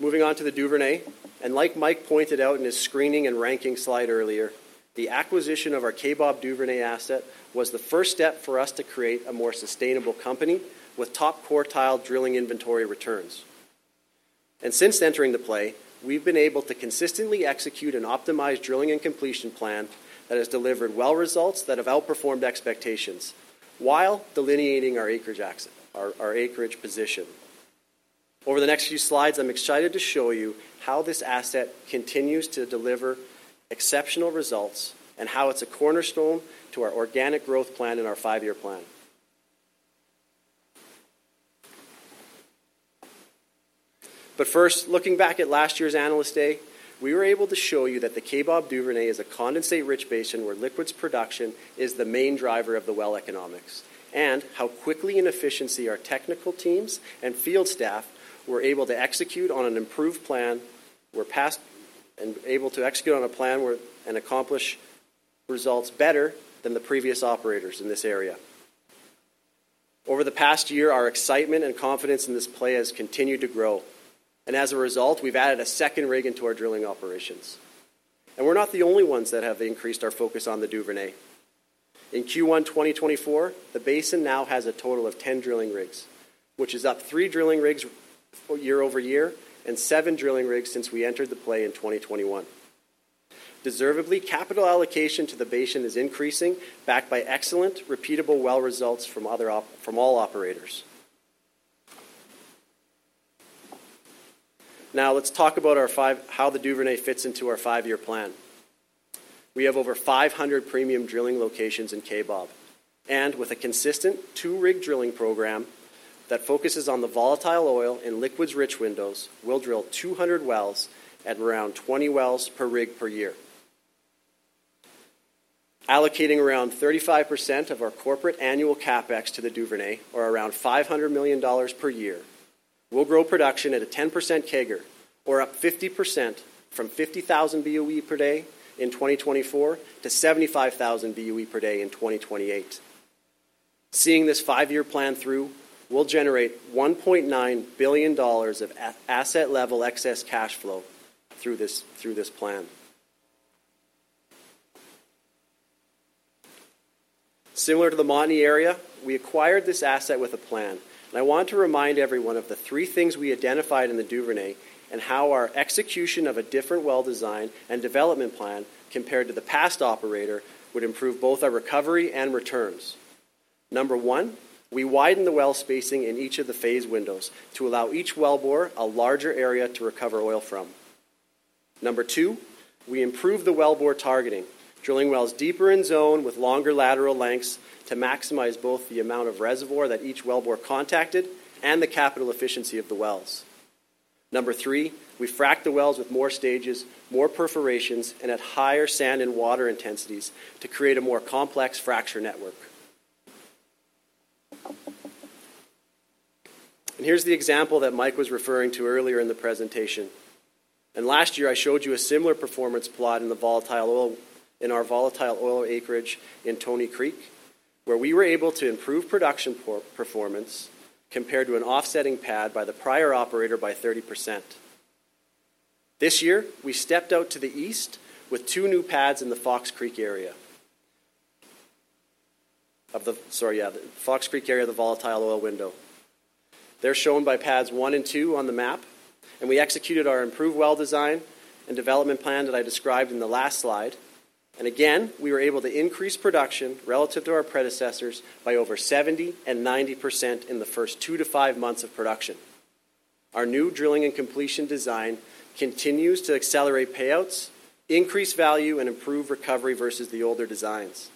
Moving on to the Duvernay. Like Mike pointed out in his screening and ranking slide earlier, the acquisition of our Kaybob Duvernay asset was the first step for us to create a more sustainable company with top quartile drilling inventory returns. Since entering the play, we've been able to consistently execute an optimized drilling and completion plan that has delivered well results that have outperformed expectations while delineating our acreage position. Over the next few slides, I'm excited to show you how this asset continues to deliver exceptional results and how it's a cornerstone to our organic growth plan and our five-year plan. But first, looking back at last year's analysts' day, we were able to show you that the Kaybob Duvernay is a condensate-rich basin where liquids production is the main driver of the well economics and how quickly and efficiently our technical teams and field staff were able to execute on an improved plan and accomplish results better than the previous operators in this area. Over the past year, our excitement and confidence in this play has continued to grow. As a result, we've added a second rig into our drilling operations. We're not the only ones that have increased our focus on the Duvernay. In Q1 2024, the basin now has a total of 10 drilling rigs, which is up 3 drilling rigs year-over-year and 7 drilling rigs since we entered the play in 2021. Deservedly, capital allocation to the basin is increasing, backed by excellent, repeatable well results from all operators. Now, let's talk about how the Duvernay fits into our five-year plan. We have over 500 premium drilling locations in Kaybob. With a consistent two-rig drilling program that focuses on the volatile oil in liquids-rich windows, we'll drill 200 wells at around 20 wells per rig per year. Allocating around 35% of our corporate annual CapEx to the Duvernay, or around 500 million dollars per year, we'll grow production at a 10% CAGR, or up 50% from 50,000 boe per day in 2024 to 75,000 boe per day in 2028. Seeing this five-year plan through, we'll generate 1.9 billion dollars of asset-level excess cash flow through this plan. Similar to the Montney area, we acquired this asset with a plan. I want to remind everyone of the three things we identified in the Duvernay and how our execution of a different well design and development plan compared to the past operator would improve both our recovery and returns. Number one, we widen the well spacing in each of the phase windows to allow each well bore a larger area to recover oil from. Number two, we improve the well bore targeting, drilling wells deeper in zone with longer lateral lengths to maximize both the amount of reservoir that each well bore contacted and the capital efficiency of the wells. Number three, we frack the wells with more stages, more perforations, and at higher sand and water intensities to create a more complex fracture network. Here's the example that Mike was referring to earlier in the presentation. Last year, I showed you a similar performance plot in our volatile oil acreage in Tony Creek, where we were able to improve production performance compared to an offsetting pad by the prior operator by 30%. This year, we stepped out to the east with two new pads in the Fox Creek area of the volatile oil window. They're shown by pads 1 and 2 on the map. We executed our improved well design and development plan that I described in the last slide. Again, we were able to increase production relative to our predecessors by over 70% and 90% in the first 2-5 months of production. Our new drilling and completion design continues to accelerate payouts, increase value, and improve recovery versus the older designs,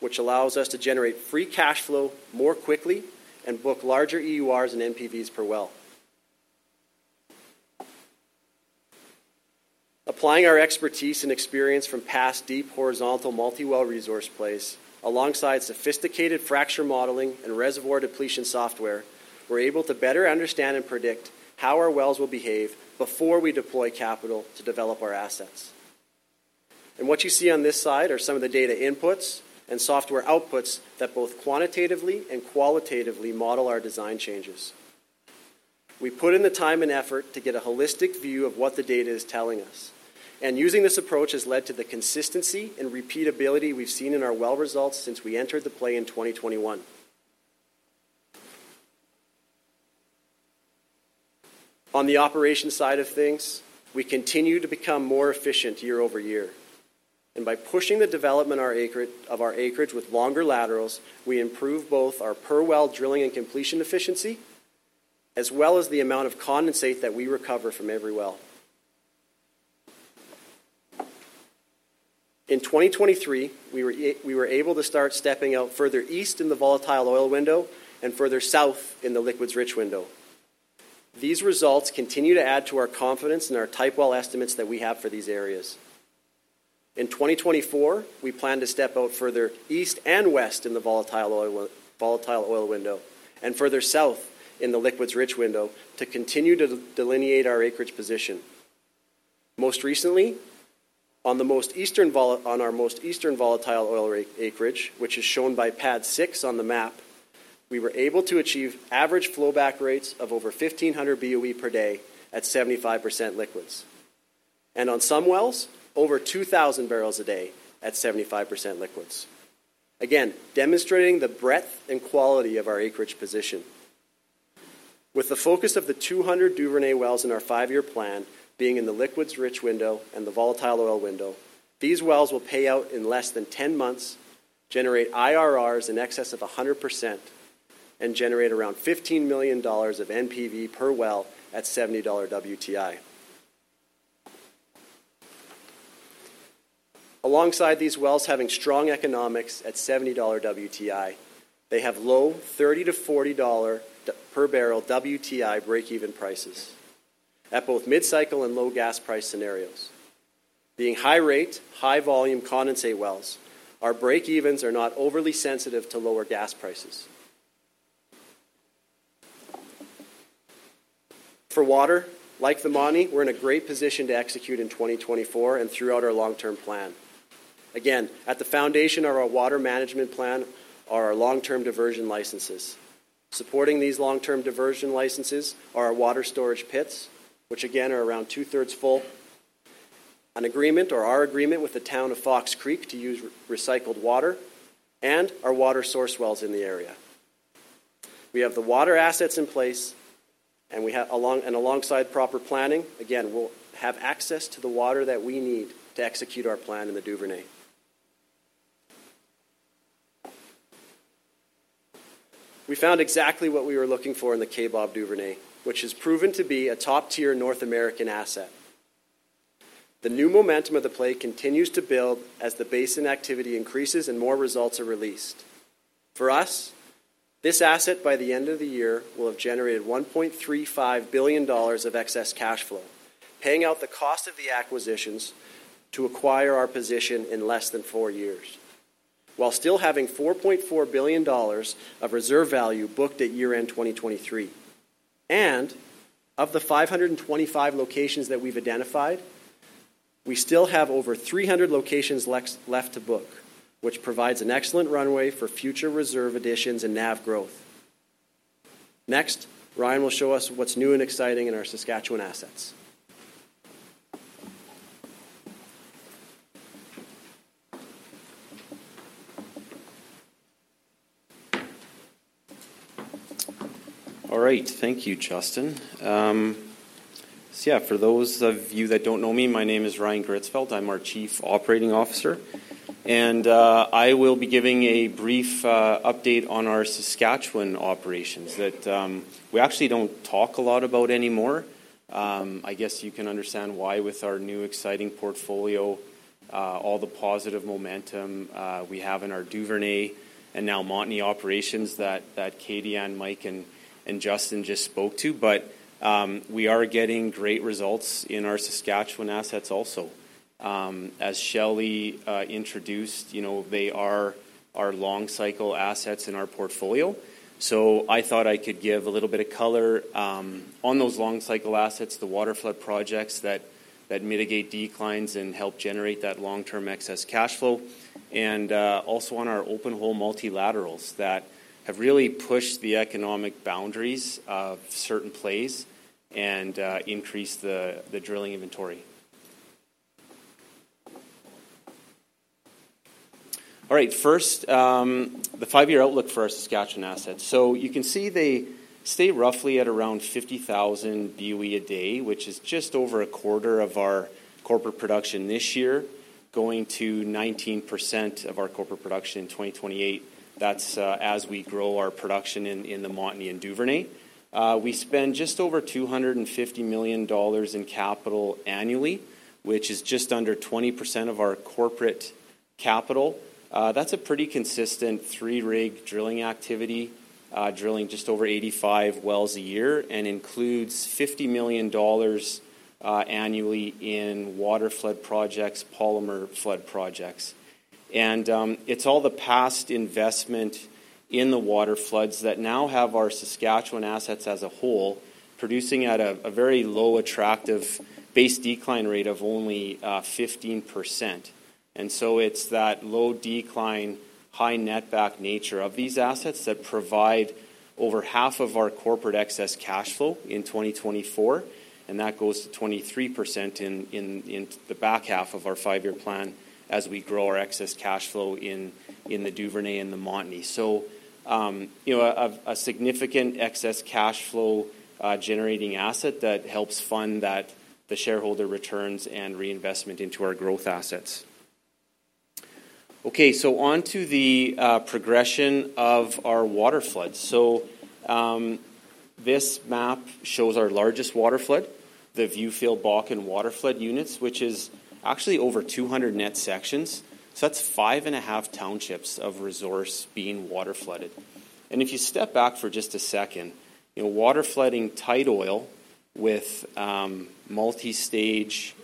which allows us to generate free cash flow more quickly and book larger EURs and NPVs per well. Applying our expertise and experience from past deep horizontal multiwell resource plays alongside sophisticated fracture modeling and reservoir depletion software, we're able to better understand and predict how our wells will behave before we deploy capital to develop our assets. What you see on this slide are some of the data inputs and software outputs that both quantitatively and qualitatively model our design changes. We put in the time and effort to get a holistic view of what the data is telling us. Using this approach has led to the consistency and repeatability we've seen in our well results since we entered the play in 2021. On the operation side of things, we continue to become more efficient year-over-year. By pushing the development of our acreage with longer laterals, we improve both our per well drilling and completion efficiency as well as the amount of condensate that we recover from every well. In 2023, we were able to start stepping out further east in the volatile oil window and further south in the liquids-rich window. These results continue to add to our confidence in our type well estimates that we have for these areas. In 2024, we plan to step out further east and west in the volatile oil window and further south in the liquids-rich window to continue to delineate our acreage position. Most recently, on our most eastern volatile oil acreage, which is shown by pad six on the map, we were able to achieve average flowback rates of over 1,500 boe per day at 75% liquids. On some wells, over 2,000 barrels a day at 75% liquids, again, demonstrating the breadth and quality of our acreage position. With the focus of the 200 Duvernay wells in our five-year plan being in the liquids-rich window and the volatile oil window, these wells will pay out in less than 10 months, generate IRRs in excess of 100%, and generate around $15 million of NPV per well at $70 WTI. Alongside these wells having strong economics at $70 WTI, they have low $30-$40 per barrel WTI break-even prices at both mid-cycle and low gas price scenarios. Being high-rate, high-volume condensate wells, our break-evens are not overly sensitive to lower gas prices. For water, like the Montney, we're in a great position to execute in 2024 and throughout our long-term plan. Again, at the foundation of our water management plan are our long-term diversion licenses. Supporting these long-term diversion licenses are our water storage pits, which again are around two-thirds full, an agreement or our agreement with the town of Fox Creek to use recycled water, and our water source wells in the area. We have the water assets in place. Alongside proper planning, again, we'll have access to the water that we need to execute our plan in the Duvernay. We found exactly what we were looking for in the Kaybob Duvernay, which has proven to be a top-tier North American asset. The new momentum of the play continues to build as the basin activity increases and more results are released. For us, this asset by the end of the year will have generated 1.35 billion dollars of excess cash flow, paying out the cost of the acquisitions to acquire our position in less than four years, while still having 4.4 billion dollars of reserve value booked at year-end 2023. Of the 525 locations that we've identified, we still have over 300 locations left to book, which provides an excellent runway for future reserve additions and NAV growth. Next, Ryan will show us what's new and exciting in our Saskatchewan assets. All right. Thank you, Justin. So yeah, for those of you that don't know me, my name is Ryan Gritzfeldt. I'm our Chief Operating Officer. I will be giving a brief update on our Saskatchewan operations that we actually don't talk a lot about anymore. I guess you can understand why with our new exciting portfolio, all the positive momentum we have in our Duvernay and now Montney operations that Katie and Mike and Justin just spoke to. We are getting great results in our Saskatchewan assets also. As Shelly introduced, they are our long-cycle assets in our portfolio. So I thought I could give a little bit of color on those long-cycle assets, the waterflood projects that mitigate declines and help generate that long-term excess cash flow, and also on our open-hole multilaterals that have really pushed the economic boundaries of certain plays and increased the drilling inventory. All right. First, the five-year outlook for our Saskatchewan assets. So you can see they stay roughly at around 50,000 boe a day, which is just over a quarter of our corporate production this year, going to 19% of our corporate production in 2028. That's as we grow our production in the Montney and Duvernay. We spend just over 250 million dollars in capital annually, which is just under 20% of our corporate capital. That's a pretty consistent three-rig drilling activity, drilling just over 85 wells a year, and includes 50 million dollars annually in waterflood projects, polymer flood projects. It's all the past investment in the water floods that now have our Saskatchewan assets as a whole producing at a very low attractive base decline rate of only 15%. So it's that low decline, high net back nature of these assets that provide over half of our corporate excess cash flow in 2024. That goes to 23% in the back half of our five-year plan as we grow our excess cash flow in the Duvernay and the Montney. So a significant excess cash flow generating asset that helps fund the shareholder returns and reinvestment into our growth assets. Okay. So onto the progression of our water floods. So this map shows our largest water flood, the Viewfield Bakken water flood units, which is actually over 200 net sections. So that's 5.5 townships of resource being water flooded. If you step back for just a second, water flooding tight oil with multi-stage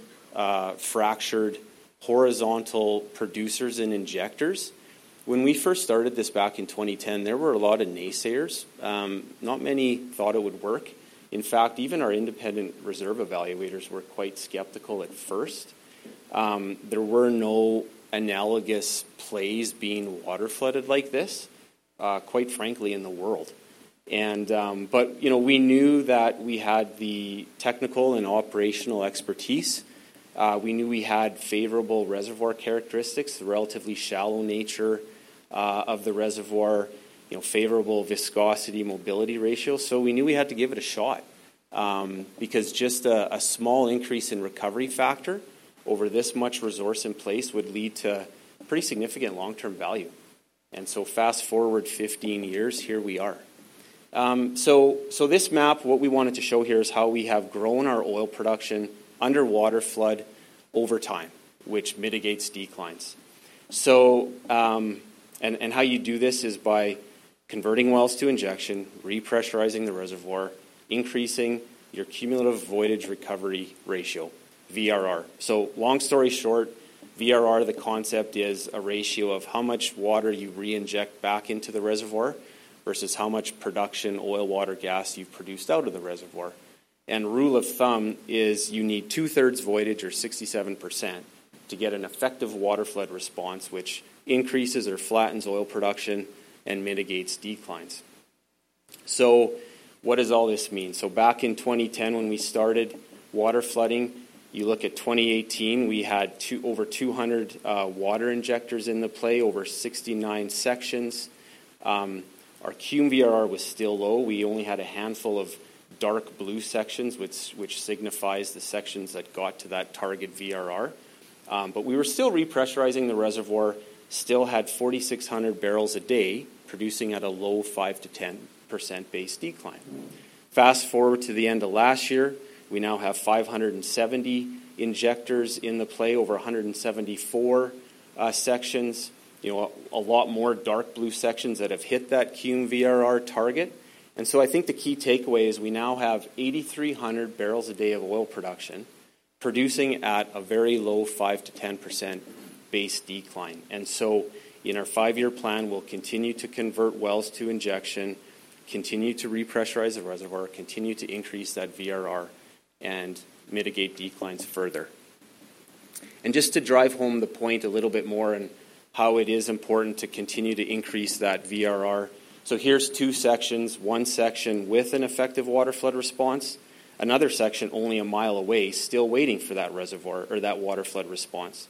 fractured horizontal producers and injectors. When we first started this back in 2010, there were a lot of naysayers. Not many thought it would work. In fact, even our independent reserve evaluators were quite skeptical at first. There were no analogous plays being water flooded like this, quite frankly, in the world. But we knew that we had the technical and operational expertise. We knew we had favorable reservoir characteristics, the relatively shallow nature of the reservoir, favorable viscosity mobility ratio. So we knew we had to give it a shot because just a small increase in recovery factor over this much resource in place would lead to pretty significant long-term value. Fast forward 15 years, here we are. So this map, what we wanted to show here is how we have grown our oil production under water flood over time, which mitigates declines. And how you do this is by converting wells to injection, repressurizing the reservoir, increasing your cumulative voidage replacement ratio, VRR. So long story short, VRR, the concept is a ratio of how much water you reinject back into the reservoir versus how much production, oil, water, gas you've produced out of the reservoir. And rule of thumb is you need two-thirds voidage or 67% to get an effective water flood response, which increases or flattens oil production and mitigates declines. So what does all this mean? So back in 2010, when we started water flooding, you look at 2018, we had over 200 water injectors in the play, over 69 sections. Our cum VRR was still low. We only had a handful of dark blue sections, which signifies the sections that got to that target VRR. But we were still repressurizing the reservoir, still had 4,600 barrels a day producing at a low 5%-10% base decline. Fast forward to the end of last year, we now have 570 injectors in the play, over 174 sections, a lot more dark blue sections that have hit that cum VRR target. And so I think the key takeaway is we now have 8,300 barrels a day of oil production producing at a very low 5%-10% base decline. And so in our five-year plan, we'll continue to convert wells to injection, continue to repressurize the reservoir, continue to increase that VRR, and mitigate declines further. Just to drive home the point a little bit more and how it is important to continue to increase that VRR, so here's two sections. One section with an effective water flood response. Another section only a mile away, still waiting for that reservoir or that water flood response.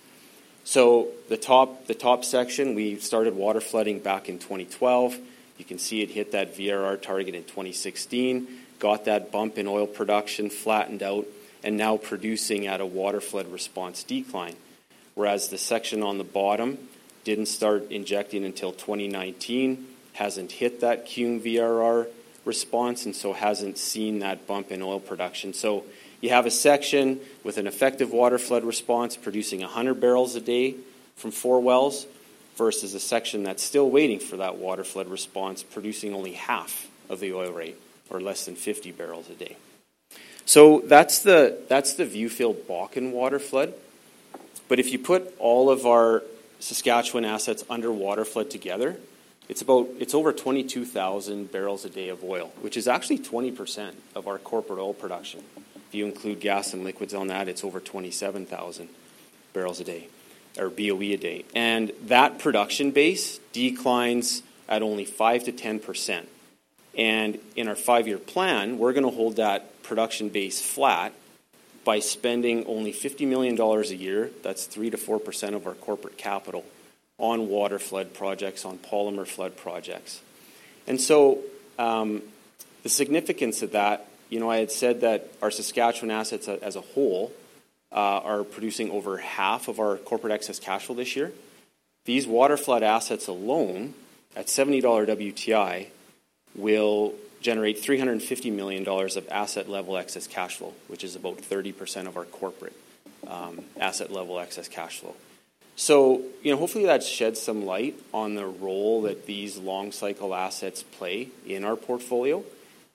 So the top section, we started water flooding back in 2012. You can see it hit that VRR target in 2016, got that bump in oil production, flattened out, and now producing at a water flood response decline. Whereas the section on the bottom didn't start injecting until 2019, hasn't hit that cum VRR response, and so hasn't seen that bump in oil production. So you have a section with an effective water flood response producing 100 barrels a day from four wells versus a section that's still waiting for that water flood response producing only half of the oil rate or less than 50 barrels a day. So that's the Viewfield Bakken water flood. But if you put all of our Saskatchewan assets under water flood together, it's over 22,000 barrels a day of oil, which is actually 20% of our corporate oil production. If you include gas and liquids on that, it's over 27,000 barrels a day or boe a day. And that production base declines at only 5%-10%. And in our five-year plan, we're going to hold that production base flat by spending only 50 million dollars a year. That's 3%-4% of our corporate capital on water flood projects, on polymer flood projects. And so the significance of that, I had said that our Saskatchewan assets as a whole are producing over half of our corporate excess cash flow this year. These waterflood assets alone at $70 WTI will generate 350 million dollars of asset-level excess cash flow, which is about 30% of our corporate asset-level excess cash flow. So hopefully, that sheds some light on the role that these long-cycle assets play in our portfolio.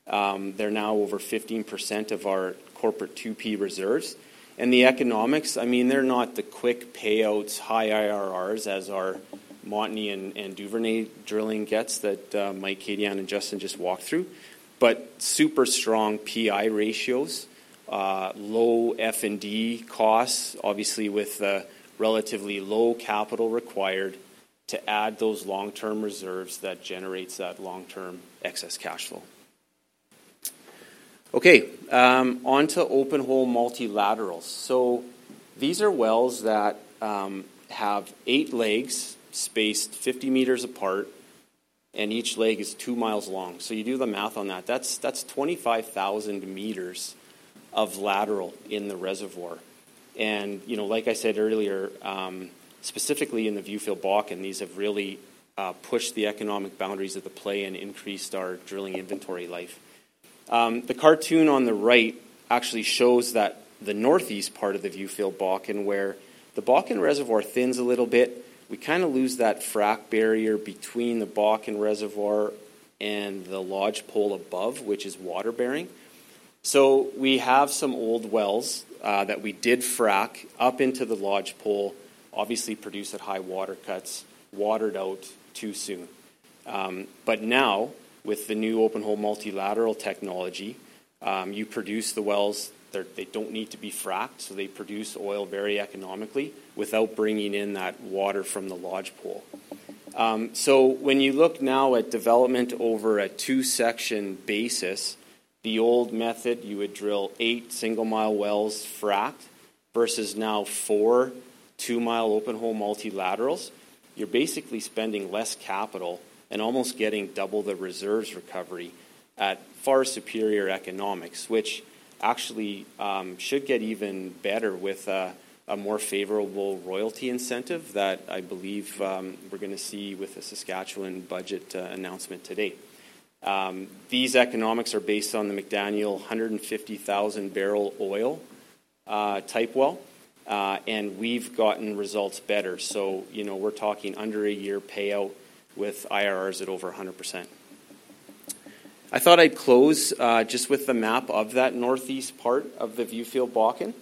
They're now over 15% of our corporate 2P reserves. And the economics, I mean, they're not the quick payouts, high IRRs as our Montney and Duvernay drilling that Mike, Katie, and Justin just walked through, but super strong PI ratios, low F&D costs, obviously with relatively low capital required to add those long-term reserves that generates that long-term excess cash flow. Okay. Onto open-hole multilaterals. So these are wells that have 8 legs spaced 50 meters apart, and each leg is 2 miles long. So you do the math on that. That's 25,000 meters of lateral in the reservoir. And like I said earlier, specifically in the Viewfield Bakken, these have really pushed the economic boundaries of the play and increased our drilling inventory life. The cartoon on the right actually shows the northeast part of the Viewfield Bakken where the Bakken reservoir thins a little bit. We kind of lose that frac barrier between the Bakken reservoir and the Lodgepole above, which is water bearing. So we have some old wells that we did frac up into the Lodgepole, obviously produced at high water cuts, watered out too soon. But now, with the new open-hole multilateral technology, you produce the wells; they don't need to be fracked, so they produce oil very economically without bringing in that water from the Lodgepole. So when you look now at development over a 2-section basis, the old method, you would drill 8 single-mile wells fracked versus now 4 2-mile open-hole multilaterals, you're basically spending less capital and almost getting double the reserves recovery at far superior economics, which actually should get even better with a more favorable royalty incentive that I believe we're going to see with the Saskatchewan budget announcement today. These economics are based on the McDaniel 150,000-barrel oil type well, and we've gotten results better. So we're talking under a year payout with IRRs at over 100%. I thought I'd close just with the map of that northeast part of the Viewfield Bakken.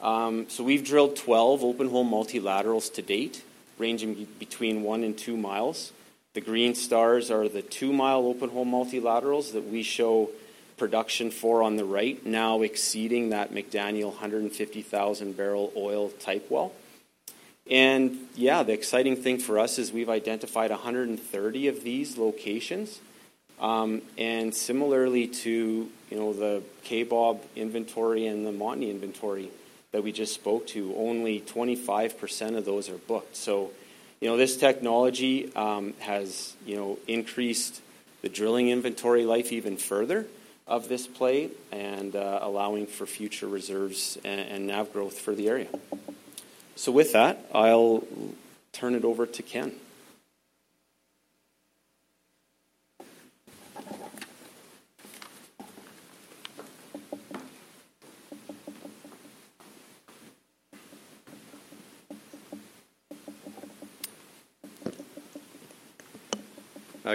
So we've drilled 12 open-hole multilaterals to date, ranging between one and two miles. The green stars are the two-mile open-hole multilaterals that we show production for on the right, now exceeding that McDaniel 150,000-barrel oil type well. And yeah, the exciting thing for us is we've identified 130 of these locations. And similarly to the Kaybob inventory and the Montney inventory that we just spoke to, only 25% of those are booked. So this technology has increased the drilling inventory life even further of this play and allowing for future reserves and NAV growth for the area. So with that, I'll turn it over to Ken.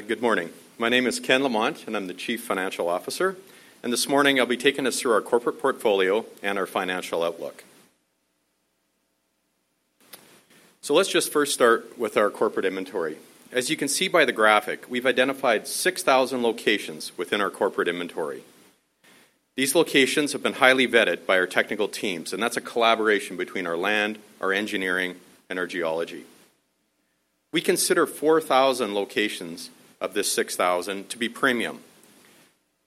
Good morning. My name is Ken Lamont, and I'm the Chief Financial Officer. And this morning, I'll be taking us through our corporate portfolio and our financial outlook. So let's just first start with our corporate inventory. As you can see by the graphic, we've identified 6,000 locations within our corporate inventory. These locations have been highly vetted by our technical teams, and that's a collaboration between our land, our engineering, and our geology. We consider 4,000 locations of this 6,000 to be premium.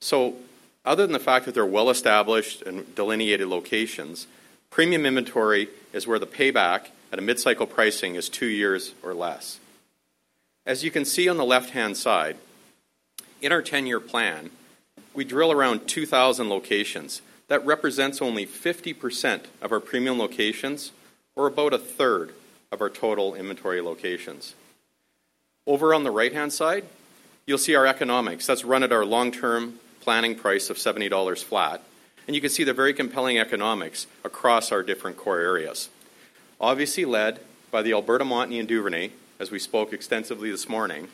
So other than the fact that they're well-established and delineated locations, premium inventory is where the payback at a mid-cycle pricing is two years or less. As you can see on the left-hand side, in our 10-year plan, we drill around 2,000 locations. That represents only 50% of our premium locations or about a third of our total inventory locations. Over on the right-hand side, you'll see our economics. That's run at our long-term planning price of $70 flat. You can see the very compelling economics across our different core areas, obviously led by the Alberta Montney and Duvernay, as we spoke extensively this morning,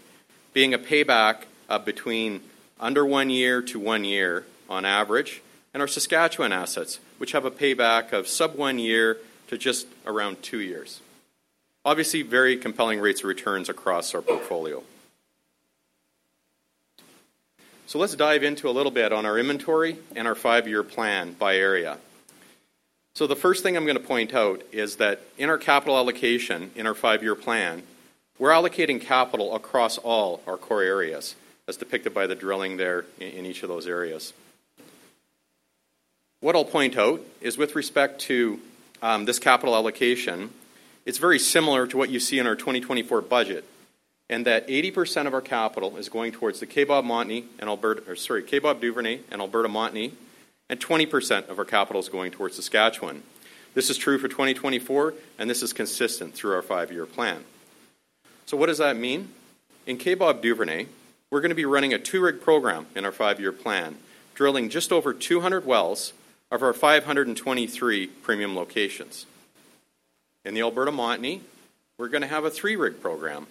being a payback between under 1 year to 1 year on average, and our Saskatchewan assets, which have a payback of sub 1 year to just around 2 years. Obviously, very compelling rates of returns across our portfolio. Let's dive into a little bit on our inventory and our 5-year plan by area. The first thing I'm going to point out is that in our capital allocation in our 5-year plan, we're allocating capital across all our core areas, as depicted by the drilling there in each of those areas. What I'll point out is with respect to this capital allocation, it's very similar to what you see in our 2024 budget, in that 80% of our capital is going towards the Kaybob Montney and Alberta or sorry, Kaybob Duvernay and Alberta, Montney, and 20% of our capital is going towards Saskatchewan. This is true for 2024, and this is consistent through our five-year plan. So what does that mean? In Kaybob Duvernay, we're going to be running a two-rig program in our five-year plan, drilling just over 200 wells of our 523 premium locations. In the Alberta, Montney, we're going to have a three-rig program,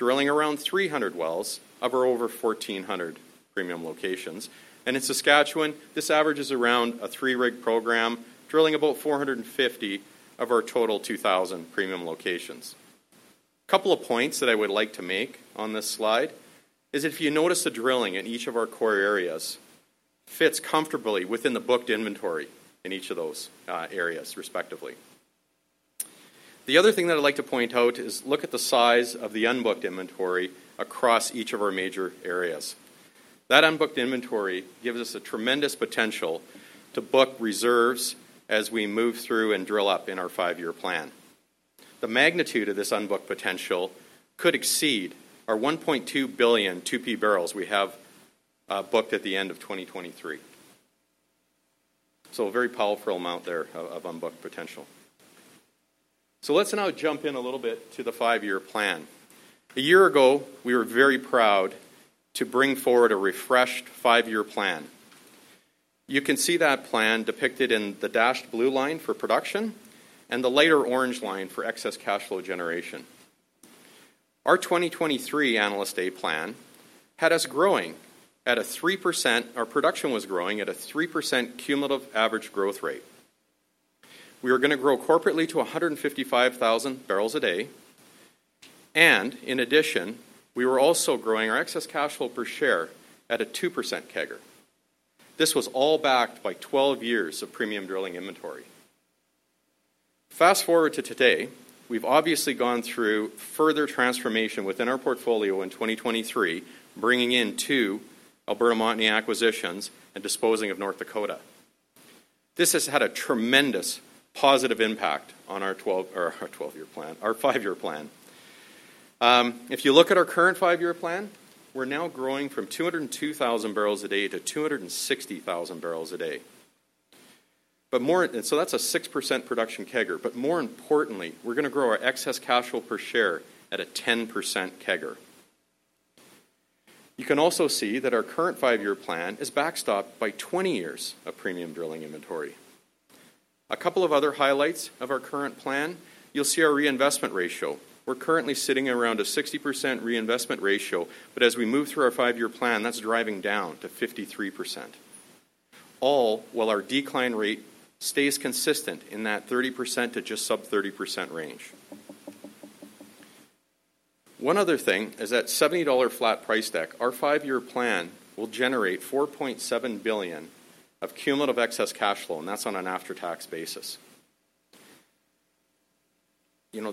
drilling around 300 wells of our over 1,400 premium locations. And in Saskatchewan, this average is around a three-rig program, drilling about 450 of our total 2,000 premium locations. A couple of points that I would like to make on this slide is if you notice the drilling in each of our core areas fits comfortably within the booked inventory in each of those areas, respectively. The other thing that I'd like to point out is look at the size of the unbooked inventory across each of our major areas. That unbooked inventory gives us a tremendous potential to book reserves as we move through and drill up in our five-year plan. The magnitude of this unbooked potential could exceed our 1.2 billion 2P barrels we have booked at the end of 2023. So a very powerful amount there of unbooked potential. So let's now jump in a little bit to the five-year plan. A year ago, we were very proud to bring forward a refreshed five-year plan. You can see that plan depicted in the dashed blue line for production and the lighter orange line for excess cash flow generation. Our 2023 Analyst A plan had us growing at a 3%. Our production was growing at a 3% cumulative average growth rate. We were going to grow corporately to 155,000 barrels a day. And in addition, we were also growing our excess cash flow per share at a 2% CAGR. This was all backed by 12 years of premium drilling inventory. Fast forward to today, we've obviously gone through further transformation within our portfolio in 2023, bringing in 2 Alberta Montney acquisitions and disposing of North Dakota. This has had a tremendous positive impact on our 12-year plan, our 5-year plan. If you look at our current 5-year plan, we're now growing from 202,000 barrels a day to 260,000 barrels a day. So that's a 6% production CAGR. But more importantly, we're going to grow our excess cash flow per share at a 10% CAGR. You can also see that our current five-year plan is backstopped by 20 years of premium drilling inventory. A couple of other highlights of our current plan, you'll see our reinvestment ratio. We're currently sitting around a 60% reinvestment ratio, but as we move through our five-year plan, that's driving down to 53%, all while our decline rate stays consistent in that 30% to just sub 30% range. One other thing is that $70 flat price deck, our five-year plan will generate $4.7 billion of cumulative excess cash flow, and that's on an after-tax basis.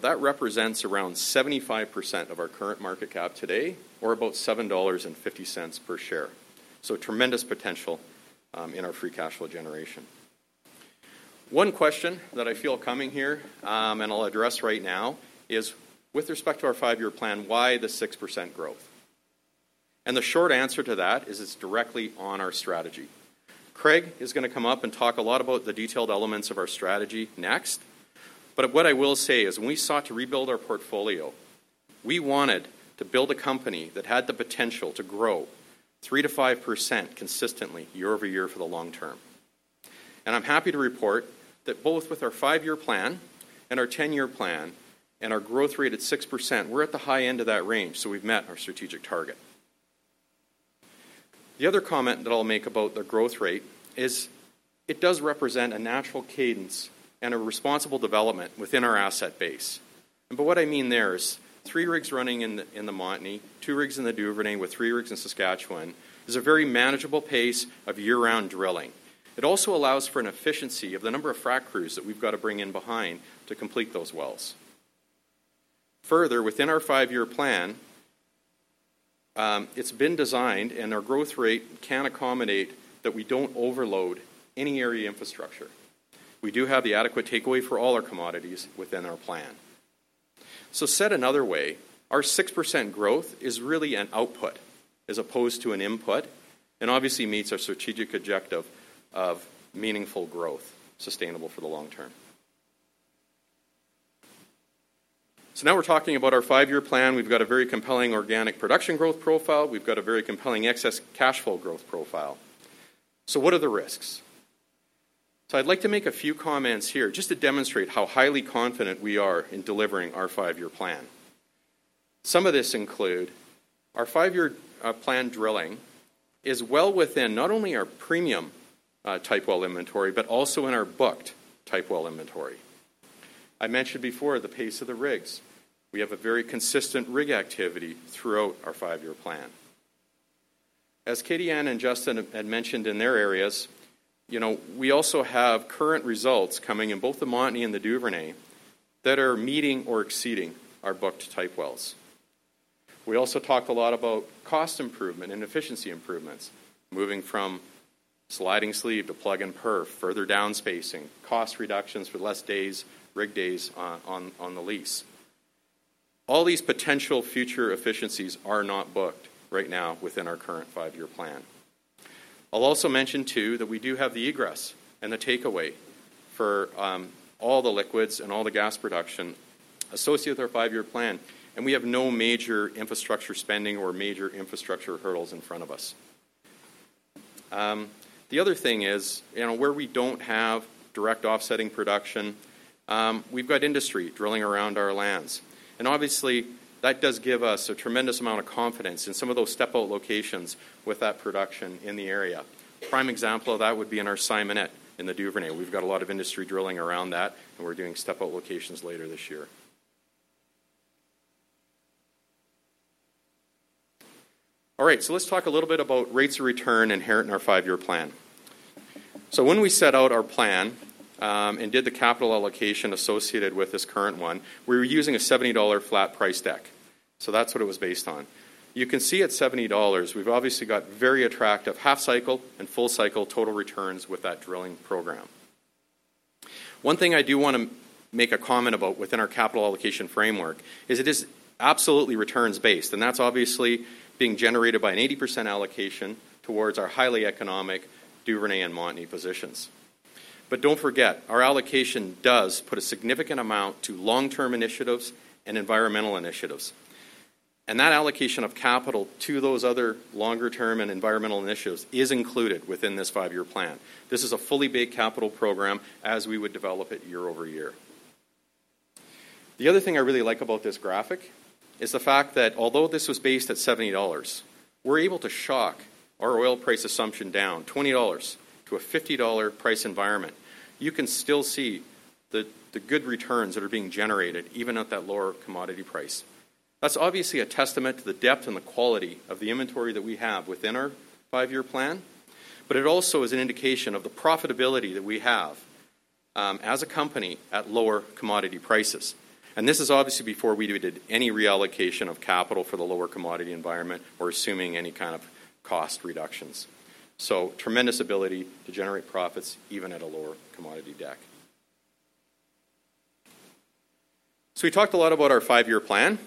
That represents around 75% of our current market cap today or about $7.50 per share. So tremendous potential in our free cash flow generation. One question that I feel coming here and I'll address right now is with respect to our 5-year plan, why the 6% growth? And the short answer to that is it's directly on our strategy. Craig is going to come up and talk a lot about the detailed elements of our strategy next. But what I will say is when we sought to rebuild our portfolio, we wanted to build a company that had the potential to grow 3%-5% consistently year-over-year for the long term. And I'm happy to report that both with our 5-year plan and our 10-year plan and our growth rate at 6%, we're at the high end of that range, so we've met our strategic target. The other comment that I'll make about the growth rate is it does represent a natural cadence and a responsible development within our asset base. But what I mean there is 3 rigs running in the Montney, 2 rigs in the Duvernay, with 3 rigs in Saskatchewan is a very manageable pace of year-round drilling. It also allows for an efficiency of the number of frac crews that we've got to bring in behind to complete those wells. Further, within our 5-year plan, it's been designed and our growth rate can accommodate that we don't overload any area infrastructure. We do have the adequate takeaway for all our commodities within our plan. So said another way, our 6% growth is really an output as opposed to an input and obviously meets our strategic objective of meaningful growth sustainable for the long term. So now we're talking about our 5-year plan. We've got a very compelling organic production growth profile. We've got a very compelling excess cash flow growth profile. So what are the risks? So I'd like to make a few comments here just to demonstrate how highly confident we are in delivering our 5-year plan. Some of this include our 5-year plan drilling is well within not only our premium type well inventory but also in our booked type well inventory. I mentioned before the pace of the rigs. We have a very consistent rig activity throughout our 5-year plan. As Katie Anne and Justin had mentioned in their areas, we also have current results coming in both the Montney and the Duvernay that are meeting or exceeding our booked type wells. We also talked a lot about cost improvement and efficiency improvements, moving from sliding sleeve to plug-and-perf, further downspacing, cost reductions for less days, rig days on the lease. All these potential future efficiencies are not booked right now within our current 5-year plan. I'll also mention too that we do have the egress and the takeaway for all the liquids and all the gas production associated with our five-year plan, and we have no major infrastructure spending or major infrastructure hurdles in front of us. The other thing is where we don't have direct offsetting production, we've got industry drilling around our lands. And obviously, that does give us a tremendous amount of confidence in some of those step-out locations with that production in the area. Prime example of that would be in our Simonette in the Duvernay. We've got a lot of industry drilling around that, and we're doing step-out locations later this year. All right. So let's talk a little bit about rates of return inherent in our five-year plan. So when we set out our plan and did the capital allocation associated with this current one, we were using a $70 flat price deck. So that's what it was based on. You can see at $70, we've obviously got very attractive half-cycle and full-cycle total returns with that drilling program. One thing I do want to make a comment about within our capital allocation framework is it is absolutely returns-based, and that's obviously being generated by an 80% allocation towards our highly economic Duvernay and Montney positions. But don't forget, our allocation does put a significant amount to long-term initiatives and environmental initiatives. And that allocation of capital to those other longer-term and environmental initiatives is included within this five-year plan. This is a fully baked capital program as we would develop it year over year. The other thing I really like about this graphic is the fact that although this was based at $70, we're able to shock our oil price assumption down $20 to a $50 price environment. You can still see the good returns that are being generated even at that lower commodity price. That's obviously a testament to the depth and the quality of the inventory that we have within our five-year plan, but it also is an indication of the profitability that we have as a company at lower commodity prices. And this is obviously before we did any reallocation of capital for the lower commodity environment or assuming any kind of cost reductions. So tremendous ability to generate profits even at a lower commodity deck. So we talked a lot about our five-year plan.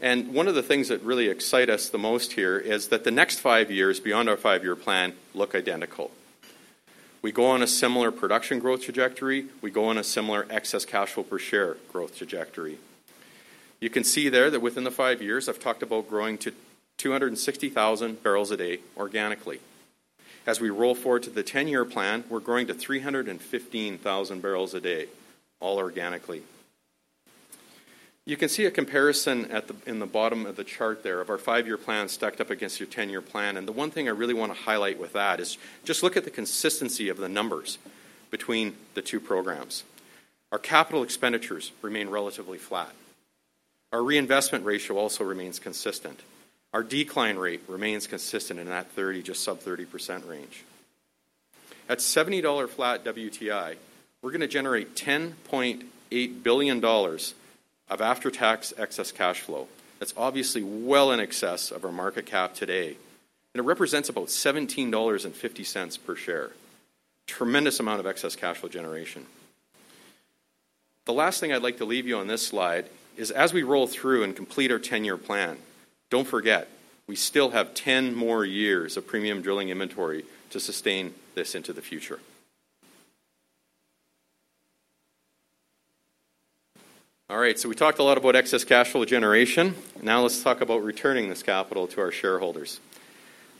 One of the things that really excite us the most here is that the next five years beyond our five-year plan look identical. We go on a similar production growth trajectory. We go on a similar excess cash flow per share growth trajectory. You can see there that within the five years, I've talked about growing to 260,000 barrels a day organically. As we roll forward to the 10-year plan, we're growing to 315,000 barrels a day, all organically. You can see a comparison in the bottom of the chart there of our five-year plan stacked up against your 10-year plan. And the one thing I really want to highlight with that is just look at the consistency of the numbers between the two programs. Our capital expenditures remain relatively flat. Our reinvestment ratio also remains consistent. Our decline rate remains consistent in that 30%, just sub 30% range. At $70 flat WTI, we're going to generate $10.8 billion of after-tax excess cash flow. That's obviously well in excess of our market cap today. And it represents about $17.50 per share, a tremendous amount of excess cash flow generation. The last thing I'd like to leave you on this slide is as we roll through and complete our 10-year plan, don't forget, we still have 10 more years of premium drilling inventory to sustain this into the future. All right. So we talked a lot about excess cash flow generation. Now let's talk about returning this capital to our shareholders.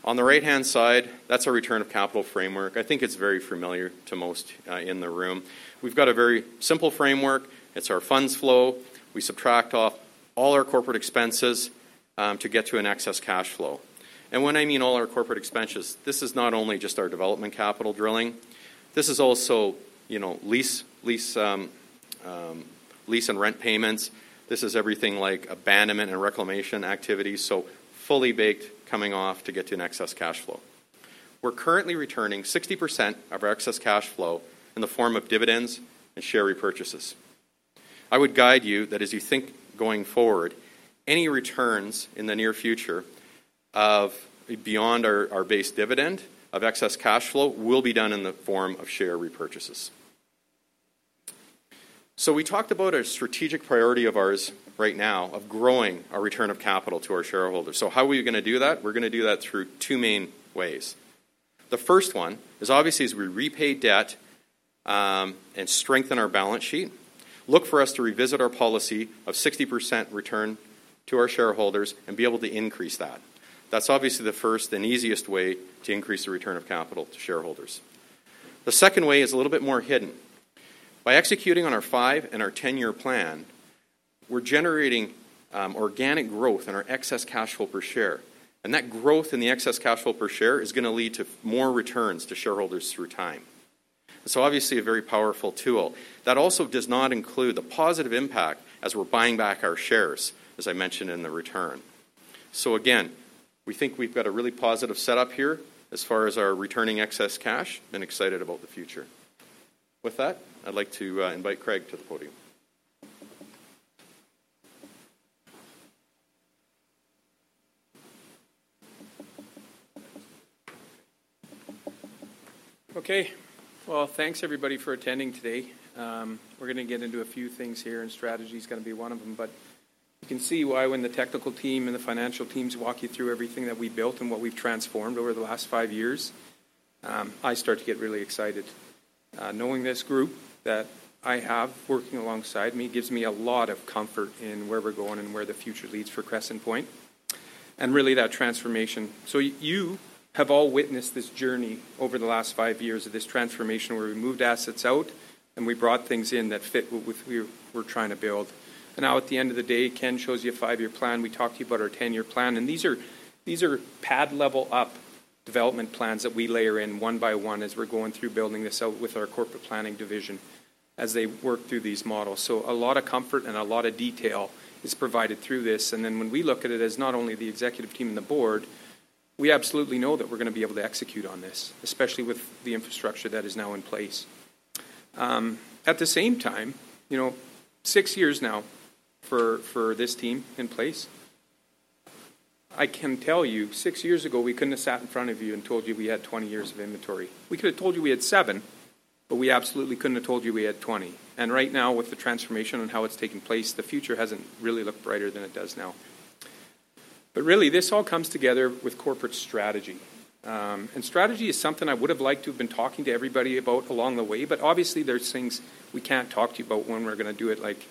On the right-hand side, that's our return of capital framework. I think it's very familiar to most in the room. We've got a very simple framework. It's our funds flow. We subtract off all our corporate expenses to get to an excess cash flow. And when I mean all our corporate expenses, this is not only just our development capital drilling. This is also lease and rent payments. This is everything like abandonment and reclamation activities, so fully baked coming off to get to an excess cash flow. We're currently returning 60% of our excess cash flow in the form of dividends and share repurchases. I would guide you that as you think going forward, any returns in the near future beyond our base dividend of excess cash flow will be done in the form of share repurchases. So we talked about a strategic priority of ours right now of growing our return of capital to our shareholders. So how are we going to do that? We're going to do that through two main ways. The first one is obviously as we repay debt and strengthen our balance sheet, look for us to revisit our policy of 60% return to our shareholders and be able to increase that. That's obviously the first and easiest way to increase the return of capital to shareholders. The second way is a little bit more hidden. By executing on our 5- and 10-year plan, we're generating organic growth in our excess cash flow per share. And that growth in the excess cash flow per share is going to lead to more returns to shareholders through time. It's obviously a very powerful tool. That also does not include the positive impact as we're buying back our shares, as I mentioned in the return. So again, we think we've got a really positive setup here as far as our returning excess cash and excited about the future. With that, I'd like to invite Craig to the podium. Okay. Well, thanks, everybody, for attending today. We're going to get into a few things here, and strategy is going to be one of them. But you can see why when the technical team and the financial teams walk you through everything that we built and what we've transformed over the last five years, I start to get really excited. Knowing this group that I have working alongside me gives me a lot of comfort in where we're going and where the future leads for Veren and really that transformation. So you have all witnessed this journey over the last five years of this transformation where we moved assets out and we brought things in that fit with what we were trying to build. And now at the end of the day, Ken shows you a five-year plan. We talked to you about our 10-year plan. These are pad-level up development plans that we layer in one by one as we're going through building this out with our corporate planning division as they work through these models. A lot of comfort and a lot of detail is provided through this. Then when we look at it as not only the executive team and the Board, we absolutely know that we're going to be able to execute on this, especially with the infrastructure that is now in place. At the same time, 6 years now for this team in place, I can tell you 6 years ago, we couldn't have sat in front of you and told you we had 20 years of inventory. We could have told you we had 7, but we absolutely couldn't have told you we had 20. Right now, with the transformation and how it's taken place, the future hasn't really looked brighter than it does now. But really, this all comes together with corporate strategy. Strategy is something I would have liked to have been talking to everybody about along the way, but obviously, there are things we can't talk to you about when we're going to do it, like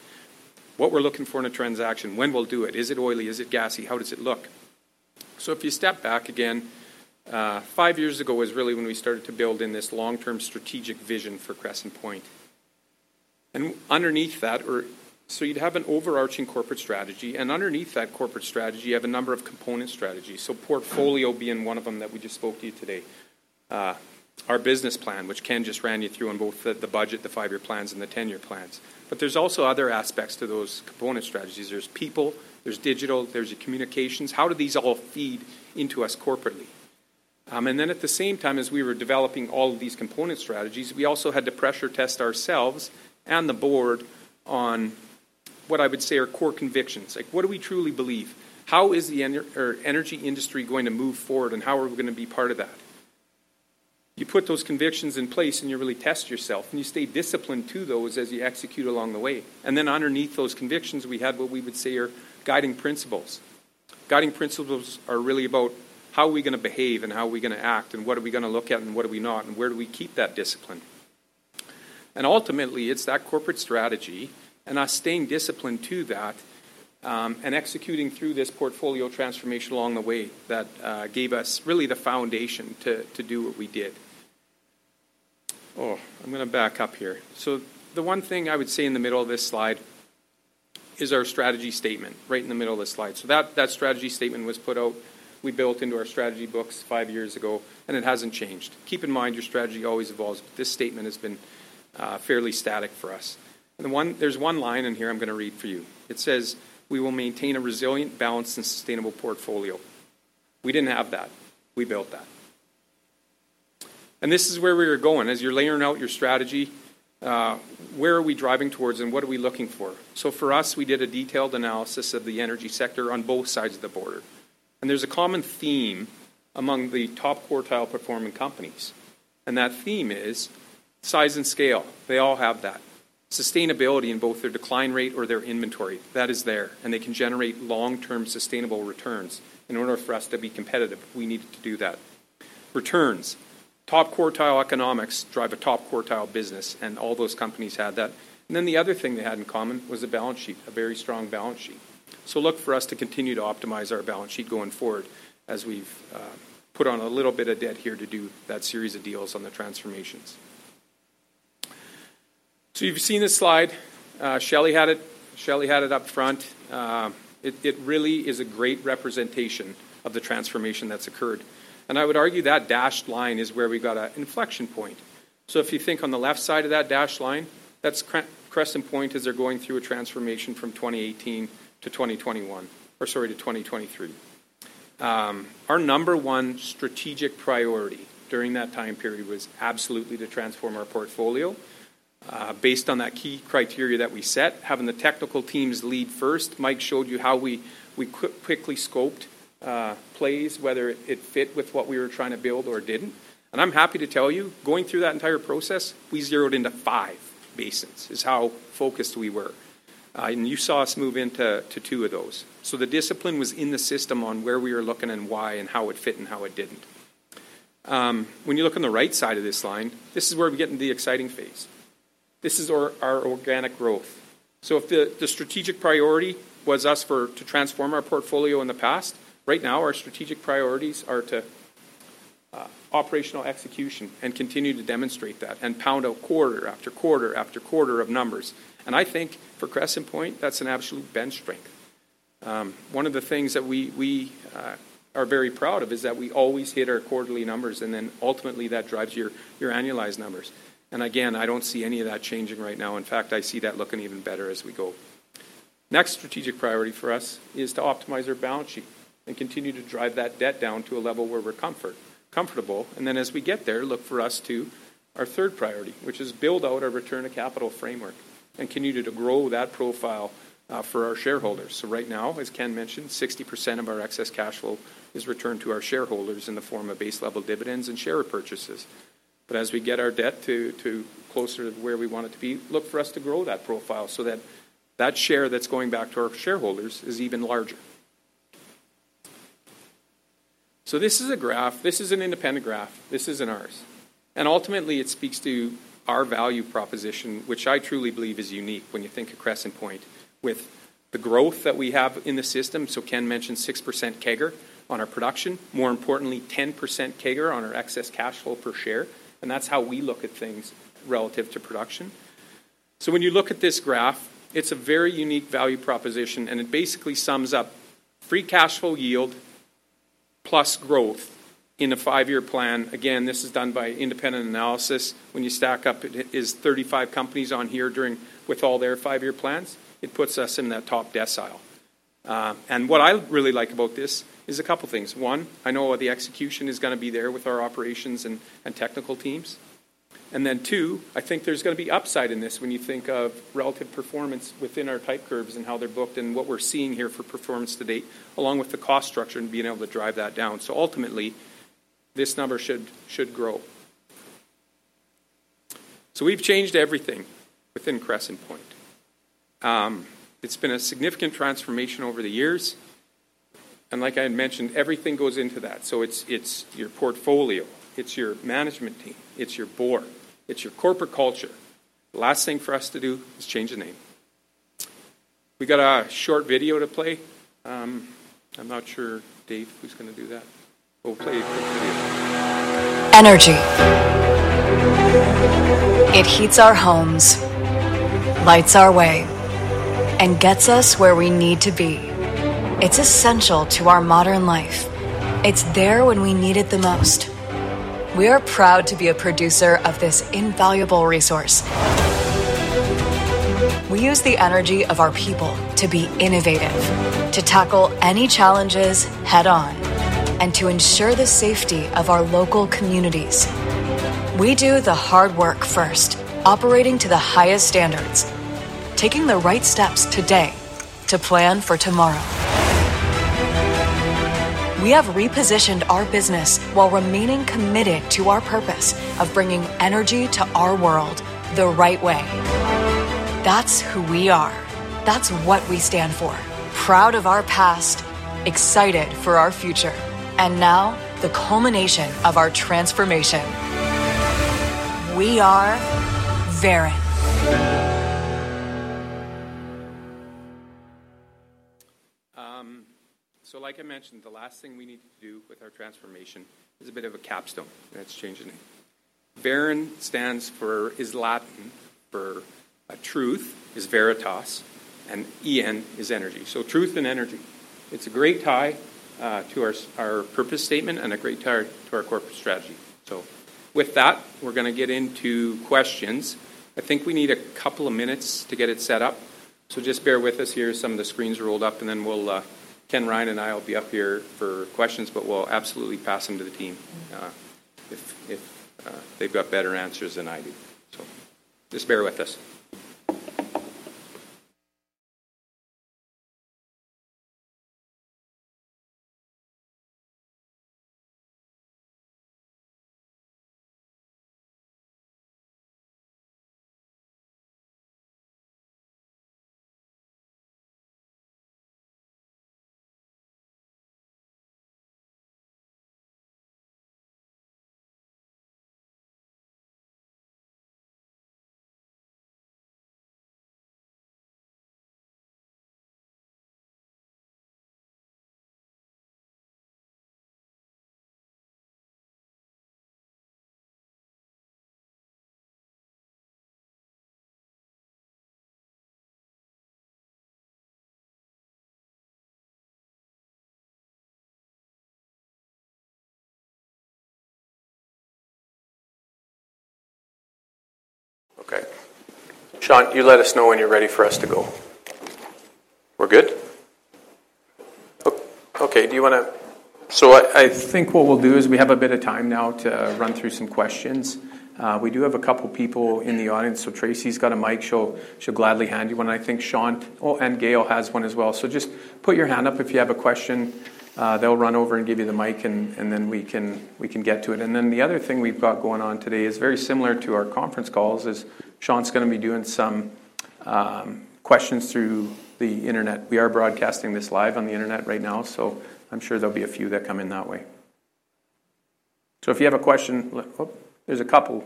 what we're looking for in a transaction, when we'll do it, is it oily, is it gassy, how does it look. If you step back again, five years ago was really when we started to build in this long-term strategic vision for Crescent Point. Underneath that, so you'd have an overarching corporate strategy. Underneath that corporate strategy, you have a number of component strategies. So portfolio being one of them that we just spoke to you today, our business plan, which Ken just ran you through on both the budget, the five-year plans, and the 10-year plans. But there's also other aspects to those component strategies. There's people. There's digital. There's your communications. How do these all feed into us corporately? And then at the same time, as we were developing all of these component strategies, we also had to pressure test ourselves and the Board on what I would say are core convictions, like what do we truly believe? How is the energy industry going to move forward, and how are we going to be part of that? You put those convictions in place, and you really test yourself. And you stay disciplined to those as you execute along the way. Then underneath those convictions, we had what we would say are guiding principles. Guiding principles are really about how are we going to behave and how are we going to act and what are we going to look at and what are we not and where do we keep that discipline. Ultimately, it's that corporate strategy and us staying disciplined to that and executing through this portfolio transformation along the way that gave us really the foundation to do what we did. Oh, I'm going to back up here. The one thing I would say in the middle of this slide is our strategy statement right in the middle of the slide. That strategy statement was put out. We built into our strategy books five years ago, and it hasn't changed. Keep in mind your strategy always evolves. But this statement has been fairly static for us. And there's one line in here I'm going to read for you. It says, "We will maintain a resilient, balanced, and sustainable portfolio." We didn't have that. We built that. And this is where we were going. As you're laying out your strategy, where are we driving towards, and what are we looking for? So for us, we did a detailed analysis of the energy sector on both sides of the border. And there's a common theme among the top quartile performing companies. And that theme is size and scale. They all have that, sustainability in both their decline rate or their inventory. That is there, and they can generate long-term sustainable returns. In order for us to be competitive, we needed to do that. Returns, top quartile economics drive a top quartile business, and all those companies had that. And then the other thing they had in common was a balance sheet, a very strong balance sheet. So look for us to continue to optimize our balance sheet going forward as we've put on a little bit of debt here to do that series of deals on the transformations. So you've seen this slide. Shelly had it. Shelly had it up front. It really is a great representation of the transformation that's occurred. And I would argue that dashed line is where we got an inflection point. So if you think on the left side of that dashed line, that's Crescent Point as they're going through a transformation from 2018 to 2021 or sorry, to 2023. Our number one strategic priority during that time period was absolutely to transform our portfolio based on that key criteria that we set, having the technical teams lead first. Mike showed you how we quickly scoped plays, whether it fit with what we were trying to build or didn't. And I'm happy to tell you, going through that entire process, we zeroed into 5 basins is how focused we were. And you saw us move into 2 of those. So the discipline was in the system on where we were looking and why and how it fit and how it didn't. When you look on the right side of this line, this is where we get into the exciting phase. This is our organic growth. So if the strategic priority was us to transform our portfolio in the past, right now, our strategic priorities are to operational execution and continue to demonstrate that and pound out quarter after quarter after quarter of numbers. And I think for Crescent Point, that's an absolute bench strength. One of the things that we are very proud of is that we always hit our quarterly numbers, and then ultimately, that drives your annualized numbers. Again, I don't see any of that changing right now. In fact, I see that looking even better as we go. Next strategic priority for us is to optimize our balance sheet and continue to drive that debt down to a level where we're comfortable. Then as we get there, look for us to our third priority, which is build out our return of capital framework and continue to grow that profile for our shareholders. So right now, as Ken mentioned, 60% of our excess cash flow is returned to our shareholders in the form of base-level dividends and share repurchases. But as we get our debt closer to where we want it to be, look for us to grow that profile so that that share that's going back to our shareholders is even larger. This is a graph. This is an independent graph. This isn't ours. Ultimately, it speaks to our value proposition, which I truly believe is unique when you think of Crescent Point with the growth that we have in the system. Ken mentioned 6% CAGR on our production, more importantly, 10% CAGR on our excess cash flow per share. That's how we look at things relative to production. When you look at this graph, it's a very unique value proposition, and it basically sums up free cash flow yield plus growth in a 5-year plan. Again, this is done by independent analysis. When you stack up, it is 35 companies on here with all their five-year plans. It puts us in that top decile. And what I really like about this is a couple of things. One, I know the execution is going to be there with our operations and technical teams. And then two, I think there's going to be upside in this when you think of relative performance within our type curves and how they're booked and what we're seeing here for performance to date, along with the cost structure and being able to drive that down. So ultimately, this number should grow. So we've changed everything within Crescent Point. It's been a significant transformation over the years. And like I had mentioned, everything goes into that. So it's your portfolio. It's your management team. It's your Board. It's your corporate culture. The last thing for us to do is change the name. We got a short video to play. I'm not sure, Dave, who's going to do that. But we'll play a quick video. Energy. It heats our homes, lights our way, and gets us where we need to be. It's essential to our modern life. It's there when we need it the most. We are proud to be a producer of this invaluable resource. We use the energy of our people to be innovative, to tackle any challenges head-on, and to ensure the safety of our local communities. We do the hard work first, operating to the highest standards, taking the right steps today to plan for tomorrow. We have repositioned our business while remaining committed to our purpose of bringing energy to our world the right way. That's who we are. That's what we stand for, proud of our past, excited for our future, and now the culmination of our transformation. We are Veren. So like I mentioned, the last thing we need to do with our transformation is a bit of a capstone. That's changing the name. Veren stands for is Latin for truth, is veritas, and en is energy. So truth and energy. It's a great tie to our purpose statement and a great tie to our corporate strategy. So with that, we're going to get into questions. I think we need a couple of minutes to get it set up. So just bear with us. Here are some of the screens rolled up, and then Ken, Ryan, and I will be up here for questions, but we'll absolutely pass them to the team if they've got better answers than I do. So just bear with us. Okay. Shjant, you let us know when you're ready for us to go. We're good? Okay. Do you want to? So I think what we'll do is we have a bit of time now to run through some questions. We do have a couple of people in the audience. So Tracy's got a mic. She'll gladly hand you one. And I think Shant and Gail has one as well. So just put your hand up if you have a question. They'll run over and give you the mic, and then we can get to it. And then the other thing we've got going on today is very similar to our conference calls, is Shant going to be doing some questions through the internet. We are broadcasting this live on the internet right now, so I'm sure there'll be a few that come in that way. So if you have a question, oops, there's a couple.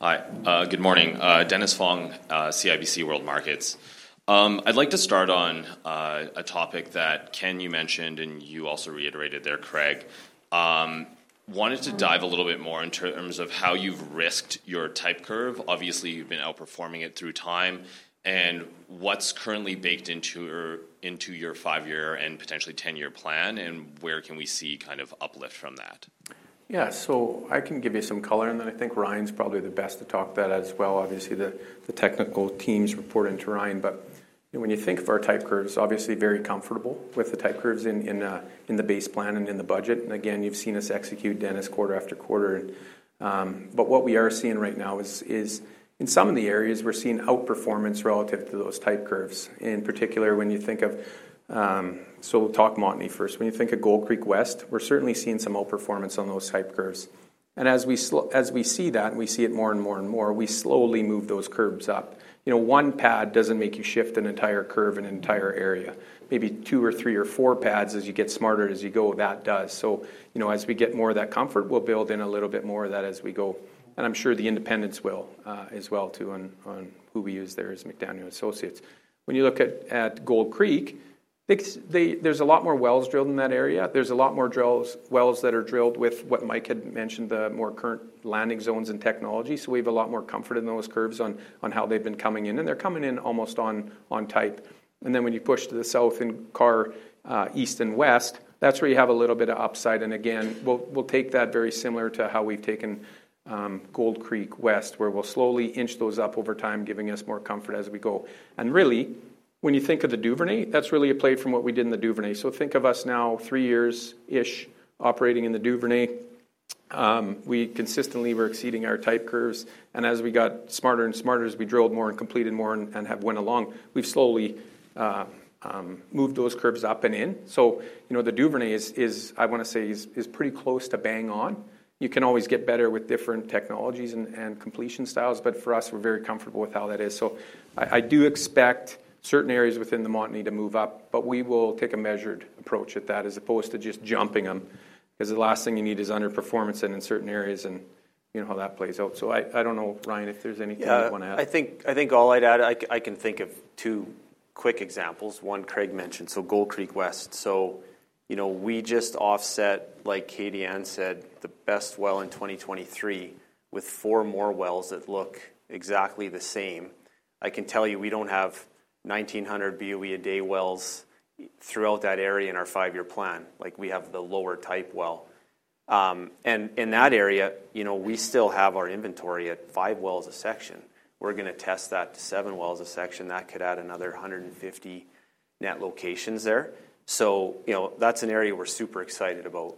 Hi. Good morning. Dennis Fong, CIBC World Markets. I'd like to start on a topic that Ken, you mentioned, and you also reiterated there, Craig. Wanted to dive a little bit more in terms of how you've risked your type curve. Obviously, you've been outperforming it through time. And what's currently baked into your five-year and potentially 10-year plan, and where can we see kind of uplift from that? Yeah. So I can give you some color, and then I think Ryan's probably the best to talk that as well. Obviously, the technical teams report into Ryan. But when you think of our type curves, obviously, very comfortable with the type curves in the base plan and in the budget. And again, you've seen us execute, Dennis, quarter after quarter. But what we are seeing right now is in some of the areas, we're seeing outperformance relative to those type curves, in particular when you think of so we'll talk Montney first. When you think of Gold Creek West, we're certainly seeing some outperformance on those type curves. And as we see that, and we see it more and more and more, we slowly move those curves up. One pad doesn't make you shift an entire curve in an entire area. Maybe 2 or 3 or 4 pads as you get smarter as you go, that does. So as we get more of that comfort, we'll build in a little bit more of that as we go. And I'm sure the independents will as well too on who we use there as McDaniel Associates. When you look at Gold Creek, there's a lot more wells drilled in that area. There's a lot more wells that are drilled with what Mike had mentioned, the more current landing zones and technology. So we have a lot more comfort in those curves on how they've been coming in. And they're coming in almost on type. And then when you push to the south and Karr East and West, that's where you have a little bit of upside. And again, we'll take that very similar to how we've taken Gold Creek West, where we'll slowly inch those up over time, giving us more comfort as we go. And really, when you think of the Duvernay, that's really a play from what we did in the Duvernay. So think of us now three years-ish operating in the Duvernay. We consistently were exceeding our type curves. And as we got smarter and smarter, as we drilled more and completed more and went along, we've slowly moved those curves up and in. So the Duvernay is, I want to say, is pretty close to bang on. You can always get better with different technologies and completion styles, but for us, we're very comfortable with how that is. So I do expect certain areas within the Montney to move up, but we will take a measured approach at that as opposed to just jumping them because the last thing you need is underperformance in certain areas and how that plays out. So I don't know, Ryan, if there's anything you want to add. Yeah. I think all I'd add, I can think of two quick examples. One, Craig mentioned. So Gold Creek West. So we just offset, like Katie-Ann said, the best well in 2023 with four more wells that look exactly the same. I can tell you we don't have 1,900 boe a day wells throughout that area in our five-year plan. We have the lower type well. And in that area, we still have our inventory at five wells a section. We're going to test that to seven wells a section. That could add another 150 net locations there. So that's an area we're super excited about.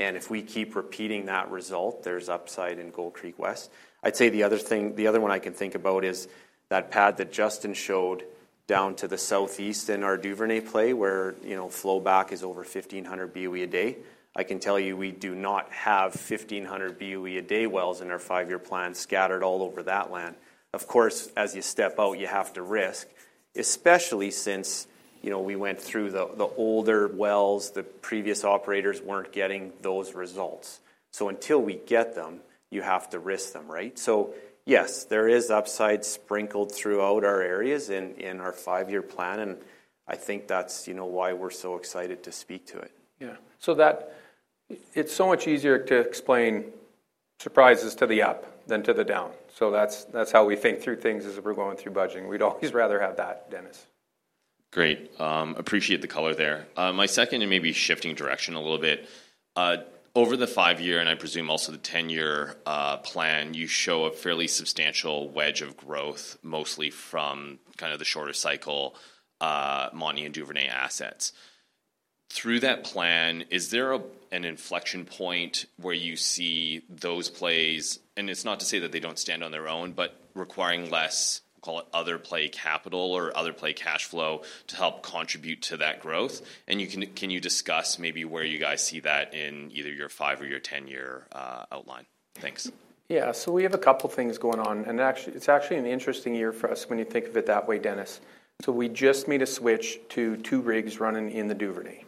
And if we keep repeating that result, there's upside in Gold Creek West. I'd say the other one I can think about is that pad that Justin showed down to the southeast in our Duvernay play where flowback is over 1,500 boe a day. I can tell you we do not have 1,500 boe a day wells in our five-year plan scattered all over that land. Of course, as you step out, you have to risk, especially since we went through the older wells. The previous operators weren't getting those results. So until we get them, you have to risk them, right? So yes, there is upside sprinkled throughout our areas in our five-year plan, and I think that's why we're so excited to speak to it. Yeah. So it's so much easier to explain surprises to the up than to the down. So that's how we think through things as we're going through budgeting. We'd always rather have that, Dennis. Great. Appreciate the color there. My second, and maybe shifting direction a little bit, over the 5-year and I presume also the 10-year plan, you show a fairly substantial wedge of growth mostly from kind of the shorter cycle Montney and Duvernay assets. Through that plan, is there an inflection point where you see those plays and it's not to say that they don't stand on their own, but requiring less, we'll call it, other play capital or other play cash flow to help contribute to that growth? And can you discuss maybe where you guys see that in either your 5 or your 10-year outline? Thanks. Yeah. So we have a couple of things going on. It's actually an interesting year for us when you think of it that way, Dennis. So we just made a switch to 2 rigs running in the Duvernay.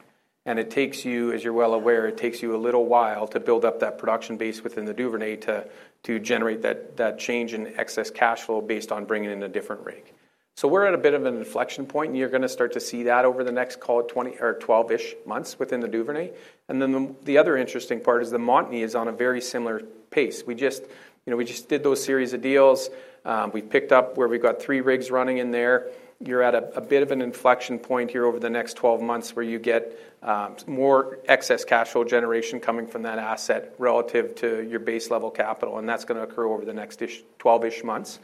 And as you're well aware, it takes you a little while to build up that production base within the Duvernay to generate that change in excess cash flow based on bringing in a different rig. So we're at a bit of an inflection point, and you're going to start to see that over the next, call it, 12-ish months within the Duvernay. And then the other interesting part is the Montney is on a very similar pace. We just did those series of deals. We've picked up where we've got 3 rigs running in there. You're at a bit of an inflection point here over the next 12 months where you get more excess cash flow generation coming from that asset relative to your base level capital. And that's going to occur over the next 12-ish months.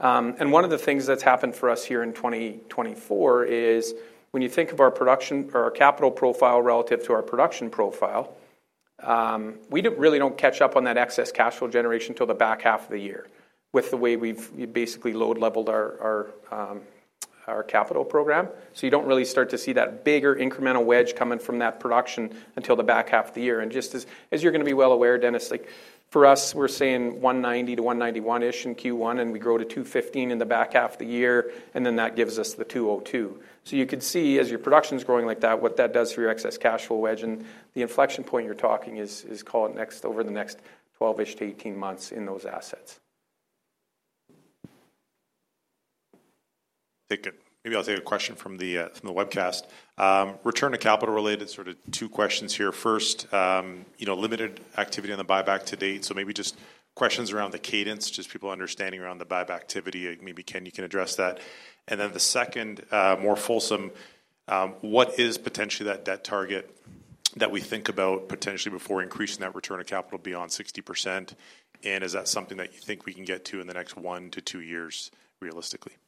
And one of the things that's happened for us here in 2024 is when you think of our capital profile relative to our production profile, we really don't catch up on that excess cash flow generation until the back half of the year with the way we've basically low-leveled our capital program. So you don't really start to see that bigger incremental wedge coming from that production until the back half of the year. Just as you're going to be well aware, Dennis, for us, we're saying 190-191-ish in Q1, and we grow to 215 in the back half of the year, and then that gives us the 202. So you could see as your production is growing like that what that does for your excess cash flow wedge. And the inflection point you're talking is, call it, over the next 12-ish-18 months in those assets. Take it. Maybe I'll take a question from the webcast. Return to capital-related sort of two questions here. First, limited activity on the buyback to date. So maybe just questions around the cadence, just people understanding around the buyback activity. Maybe, Ken, you can address that. And then the second, more fulsome, what is potentially that debt target that we think about potentially before increasing that return to capital beyond 60%? And is that something that you think we can get to in the next 1-2 years realistically? You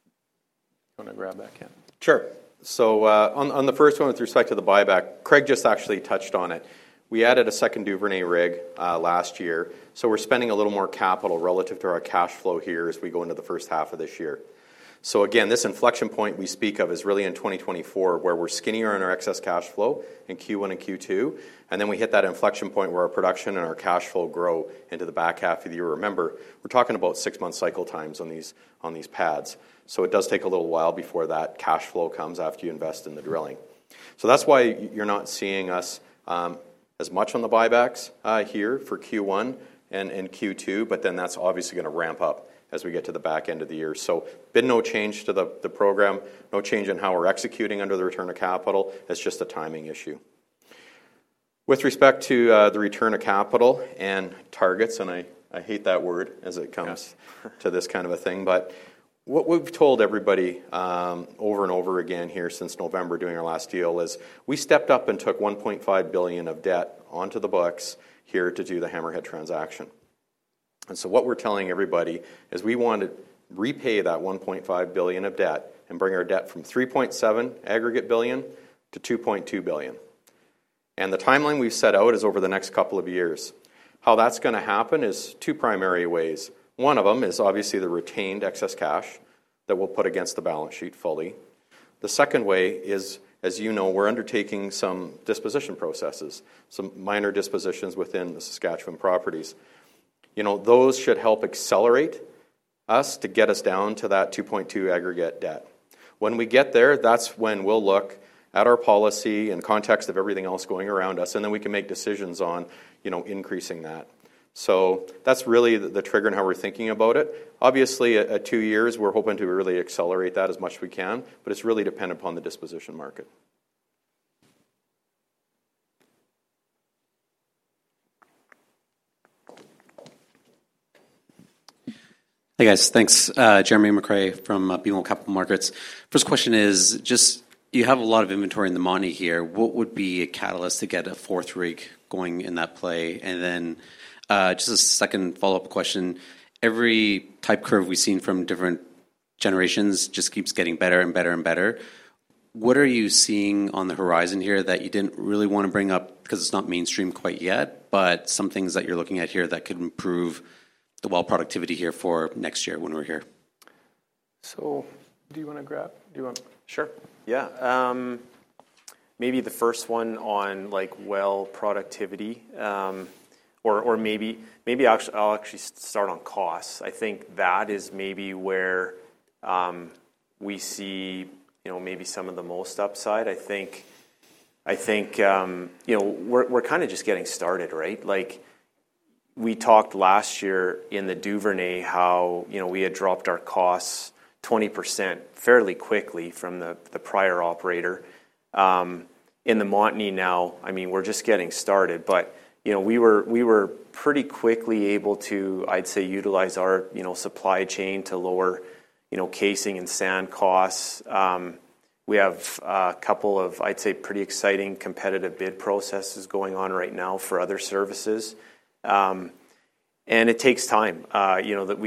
want to grab that, Ken? Sure. So on the first one, with respect to the buyback, Craig just actually touched on it. We added a second Duvernay rig last year. So we're spending a little more capital relative to our cash flow here as we go into the first half of this year. So again, this inflection point we speak of is really in 2024 where we're skinnier on our excess cash flow in Q1 and Q2. And then we hit that inflection point where our production and our cash flow grow into the back half of the year. Remember, we're talking about six-month cycle times on these pads. So it does take a little while before that cash flow comes after you invest in the drilling. So that's why you're not seeing us as much on the buybacks here for Q1 and Q2, but then that's obviously going to ramp up as we get to the back end of the year. So been no change to the program, no change in how we're executing under the return to capital. It's just a timing issue. With respect to the return to capital and targets and I hate that word as it comes to this kind of a thing, but what we've told everybody over and over again here since November doing our last deal is we stepped up and took 1.5 billion of debt onto the books here to do the Hammerhead transaction. And so what we're telling everybody is we want to repay that 1.5 billion of debt and bring our debt from 3.7 billion aggregate to 2.2 billion. The timeline we've set out is over the next couple of years. How that's going to happen is 2 primary ways. 1 of them is obviously the retained excess cash that we'll put against the balance sheet fully. The second way is, as you know, we're undertaking some disposition processes, some minor dispositions within the Saskatchewan properties. Those should help accelerate us to get us down to that 2.2 aggregate debt. When we get there, that's when we'll look at our policy in context of everything else going around us, and then we can make decisions on increasing that. So that's really the trigger in how we're thinking about it. Obviously, at 2 years, we're hoping to really accelerate that as much we can, but it's really dependent upon the disposition market. Hey, guys. Thanks. Jeremy McCrea from BMO Capital Markets. First question is, you have a lot of inventory in the Montney here. What would be a catalyst to get a fourth rig going in that play? And then just a second follow-up question. Every type curve we've seen from different generations just keeps getting better and better and better. What are you seeing on the horizon here that you didn't really want to bring up because it's not mainstream quite yet, but some things that you're looking at here that could improve the well productivity here for next year when we're here? So do you want to grab? Sure. Yeah. Maybe the first one on well productivity. Or maybe I'll actually start on costs. I think that is maybe where we see maybe some of the most upside. I think we're kind of just getting started, right? We talked last year in the Duvernay how we had dropped our costs 20% fairly quickly from the prior operator. In the Montney now, I mean, we're just getting started. But we were pretty quickly able to, I'd say, utilize our supply chain to lower casing and sand costs. We have a couple of, I'd say, pretty exciting competitive bid processes going on right now for other services. And it takes time. I think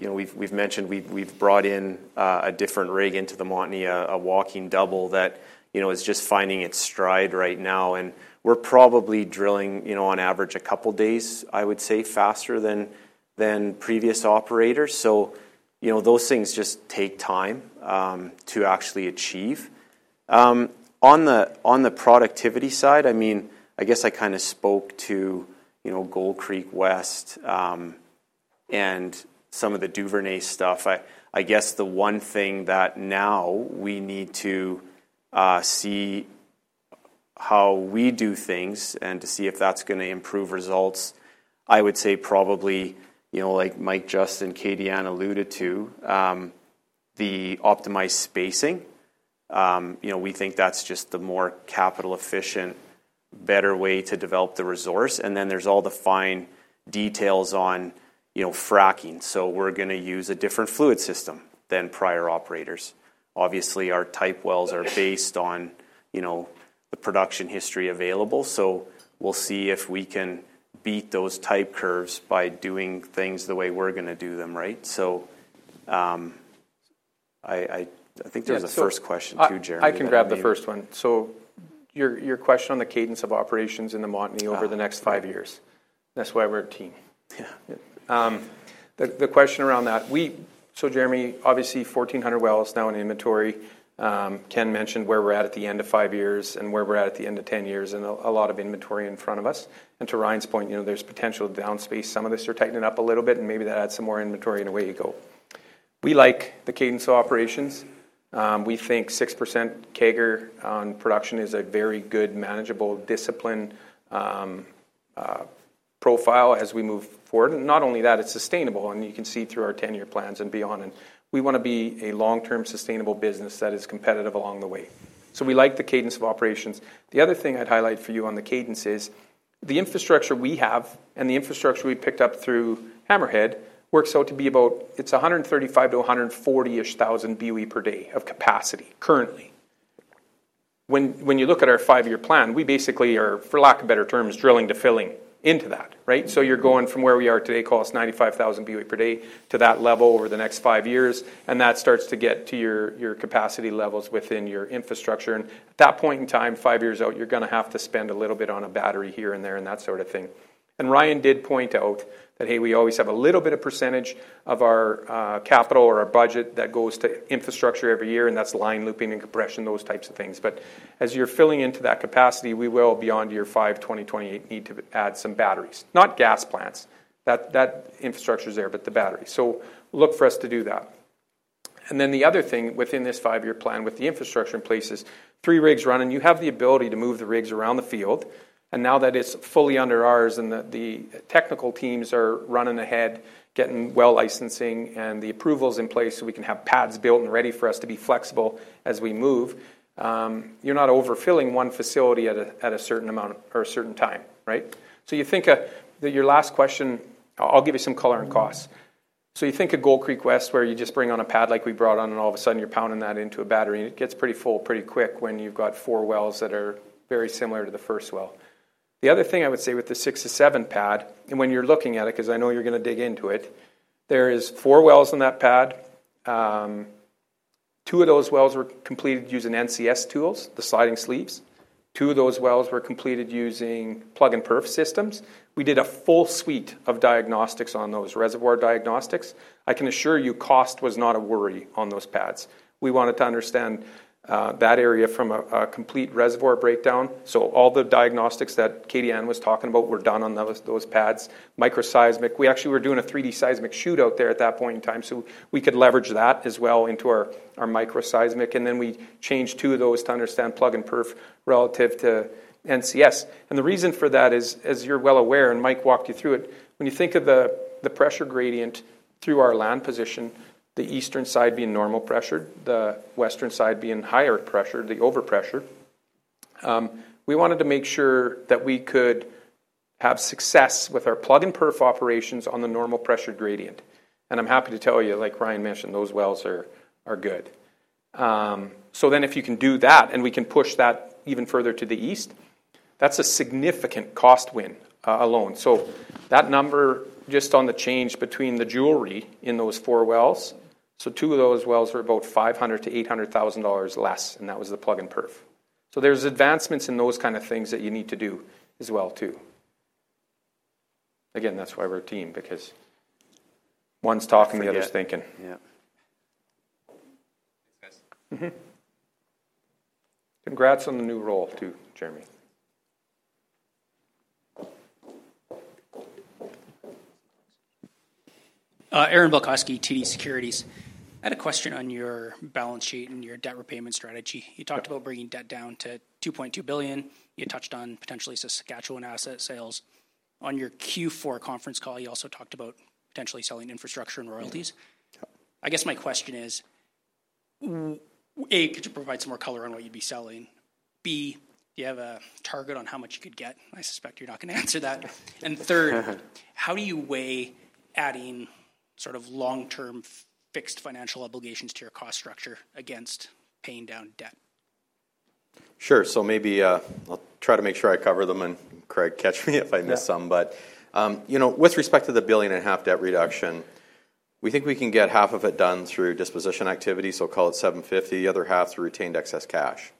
we've mentioned we've brought in a different rig into the Montney, a walking double that is just finding its stride right now. We're probably drilling, on average, a couple of days, I would say, faster than previous operators. Those things just take time to actually achieve. On the productivity side, I mean, I guess I kind of spoke to Gold Creek West and some of the Duvernay stuff. I guess the one thing that now we need to see how we do things and to see if that's going to improve results, I would say probably, like Mike, Justin, Katie Anne alluded to, the optimized spacing. We think that's just the more capital-efficient, better way to develop the resource. Then there's all the fine details on fracking. We're going to use a different fluid system than prior operators. Obviously, our type wells are based on the production history available. We'll see if we can beat those type curves by doing things the way we're going to do them, right? I think there was a first question too, Jeremy. I can grab the first one. So your question on the cadence of operations in the Montney over the next five years. That's why we're a team. The question around that. So Jeremy, obviously, 1,400 wells now in inventory. Ken mentioned where we're at at the end of five years and where we're at at the end of 10 years and a lot of inventory in front of us. And to Ryan's point, there's potential downspace. Some of this are tightening up a little bit, and maybe that adds some more inventory in a way you go. We like the cadence of operations. We think 6% CAGR on production is a very good, manageable discipline profile as we move forward. And not only that, it's sustainable, and you can see through our 10-year plans and beyond. We want to be a long-term, sustainable business that is competitive along the way. So we like the cadence of operations. The other thing I'd highlight for you on the cadence is the infrastructure we have and the infrastructure we picked up through Hammerhead works out to be about, it's 135-140-ish thousand boe per day of capacity currently. When you look at our five-year plan, we basically are, for lack of better terms, drilling to filling into that, right? So you're going from where we are today, call us 95,000 boe per day, to that level over the next five years. And that starts to get to your capacity levels within your infrastructure. And at that point in time, five years out, you're going to have to spend a little bit on a battery here and there and that sort of thing. And Ryan did point out that, hey, we always have a little bit of percentage of our capital or our budget that goes to infrastructure every year, and that's line looping and compression, those types of things. But as you're filling into that capacity, we will, beyond your 5/20/2028, need to add some batteries. Not gas plants. That infrastructure is there, but the batteries. So look for us to do that. And then the other thing within this five-year plan with the infrastructure in place is three rigs running. You have the ability to move the rigs around the field. And now that it's fully under ours and the technical teams are running ahead, getting well licensing, and the approvals in place so we can have pads built and ready for us to be flexible as we move, you're not overfilling one facility at a certain amount or a certain time, right? So you think that your last question I'll give you some color on costs. So you think of Gold Creek West where you just bring on a pad like we brought on, and all of a sudden, you're pounding that into a battery. And it gets pretty full pretty quick when you've got four wells that are very similar to the first well. The other thing I would say with the 6-7 pad, and when you're looking at it because I know you're going to dig into it, there are four wells on that pad. Two of those wells were completed using NCS tools, the sliding sleeves. Two of those wells were completed using plug-and-perf systems. We did a full suite of diagnostics on those, reservoir diagnostics. I can assure you cost was not a worry on those pads. We wanted to understand that area from a complete reservoir breakdown. So all the diagnostics that Katie Anne was talking about were done on those pads, microseismic. We actually were doing a 3D seismic shoot out there at that point in time, so we could leverage that as well into our microseismic. And then we changed two of those to understand plug-and-perf relative to NCS. The reason for that is, as you're well aware and Mike walked you through it, when you think of the pressure gradient through our land position, the eastern side being normal pressured, the western side being higher pressured, the overpressured, we wanted to make sure that we could have success with our plug-and-perf operations on the normal pressure gradient. And I'm happy to tell you, like Ryan mentioned, those wells are good. So then if you can do that and we can push that even further to the east, that's a significant cost win alone. So that number just on the change between the drilling in those four wells, so two of those wells were about 500,000-800,000 dollars less, and that was the plug-and-perf. So there's advancements in those kind of things that you need to do as well too. Again, that's why we're a team because one's talking, the other's thinking. Yeah. Thanks, guys. Congrats on the new role too, Jeremy. Aaron Bilkoski, TD Securities. I had a question on your balance sheet and your debt repayment strategy. You talked about bringing debt down to 2.2 billion. You touched on potentially Saskatchewan asset sales. On your Q4 conference call, you also talked about potentially selling infrastructure and royalties. I guess my question is, A, could you provide some more color on what you'd be selling? B, do you have a target on how much you could get? I suspect you're not going to answer that. And third, how do you weigh adding sort of long-term fixed financial obligations to your cost structure against paying down debt? Sure. So maybe I'll try to make sure I cover them, and Craig catch me if I miss some. But with respect to the 1.5 billion debt reduction, we think we can get half of it done through disposition activity. So call it 750 million, the other half through retained excess cash.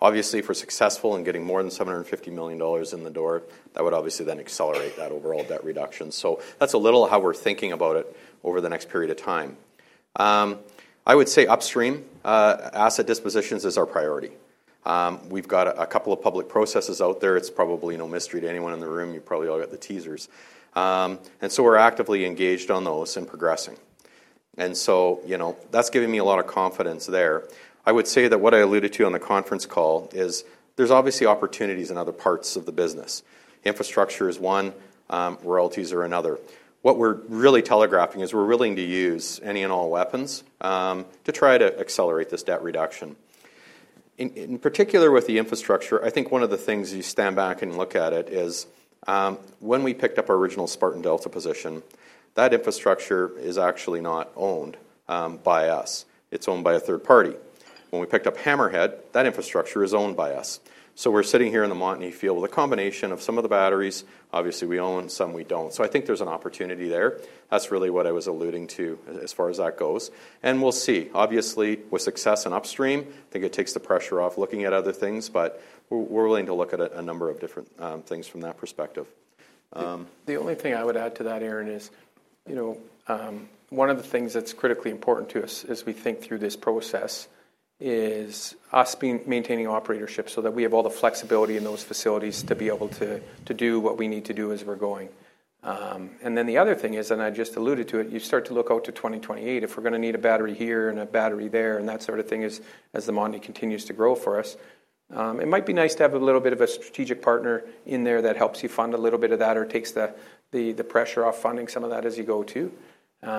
Obviously, if we're successful in getting more than 750 million dollars in the door, that would obviously then accelerate that overall debt reduction. So that's a little how we're thinking about it over the next period of time. I would say upstream, asset dispositions is our priority. We've got a couple of public processes out there. It's probably no mystery to anyone in the room. You probably all got the teasers. And so we're actively engaged on those and progressing. And so that's giving me a lot of confidence there. I would say that what I alluded to on the conference call is there's obviously opportunities in other parts of the business. Infrastructure is one. Royalties are another. What we're really telegraphing is we're willing to use any and all weapons to try to accelerate this debt reduction. In particular with the infrastructure, I think one of the things you stand back and look at it is when we picked up our original Spartan Delta position, that infrastructure is actually not owned by us. It's owned by a third party. When we picked up Hammerhead, that infrastructure is owned by us. So we're sitting here in the Montney field with a combination of some of the batteries. Obviously, we own some. We don't. So I think there's an opportunity there. That's really what I was alluding to as far as that goes. And we'll see. Obviously, with success in upstream, I think it takes the pressure off looking at other things. But we're willing to look at a number of different things from that perspective. The only thing I would add to that, Aaron, is one of the things that's critically important to us as we think through this process is us maintaining operatorship so that we have all the flexibility in those facilities to be able to do what we need to do as we're going. And then the other thing is, and I just alluded to it, you start to look out to 2028. If we're going to need a battery here and a battery there and that sort of thing as the Montney continues to grow for us, it might be nice to have a little bit of a strategic partner in there that helps you fund a little bit of that or takes the pressure off funding some of that as you go too.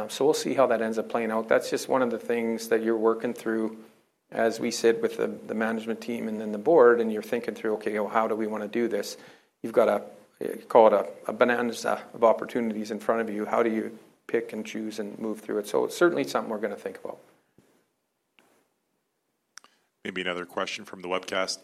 So we'll see how that ends up playing out. That's just one of the things that you're working through as we sit with the management team and then the Board, and you're thinking through, OK, how do we want to do this? You've got a, call it, a banana of opportunities in front of you. How do you pick and choose and move through it? So it's certainly something we're going to think about. Maybe another question from the webcast.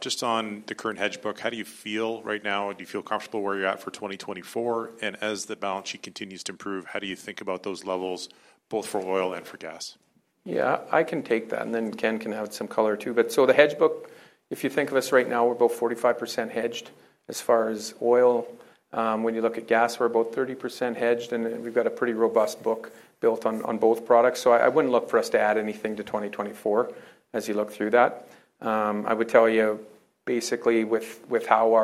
Just on the current hedge book, how do you feel right now? Do you feel comfortable where you're at for 2024? And as the balance sheet continues to improve, how do you think about those levels, both for oil and for gas? Yeah. I can take that. And then Ken can have some color too. But so the hedge book, if you think of us right now, we're about 45% hedged as far as oil. When you look at gas, we're about 30% hedged. And we've got a pretty robust book built on both products. So I wouldn't look for us to add anything to 2024 as you look through that. I would tell you, basically, with how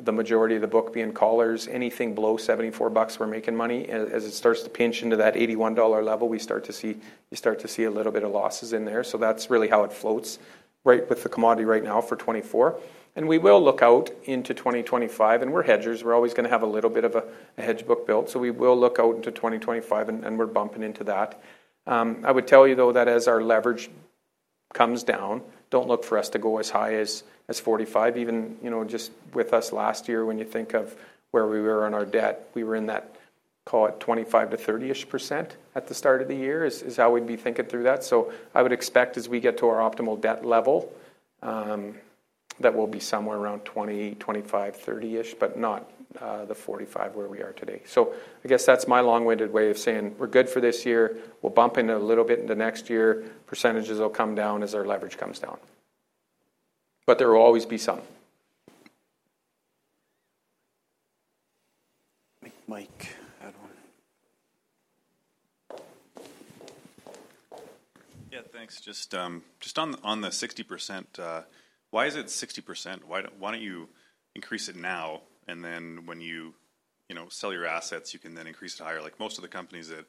the majority of the book being callers, anything below $74 we're making money, as it starts to pinch into that $81 level, you start to see a little bit of losses in there. So that's really how it floats right with the commodity right now for 2024. And we will look out into 2025. And we're hedgers. We're always going to have a little bit of a hedge book built. So we will look out into 2025, and we're bumping into that. I would tell you, though, that as our leverage comes down, don't look for us to go as high as 45%. Even just with us last year, when you think of where we were on our debt, we were in that, call it, 25%-30% at the start of the year is how we'd be thinking through that. I would expect, as we get to our optimal debt level, that we'll be somewhere around 20%, 25%, 30%-ish, but not the 45% where we are today. I guess that's my long-winded way of saying we're good for this year. We'll bump in a little bit into next year. Percentages will come down as our leverage comes down. But there will always be some. Mike, add on. Yeah. Thanks. Just on the 60%, why is it 60%? Why don't you increase it now? And then when you sell your assets, you can then increase it higher. Like most of the companies that have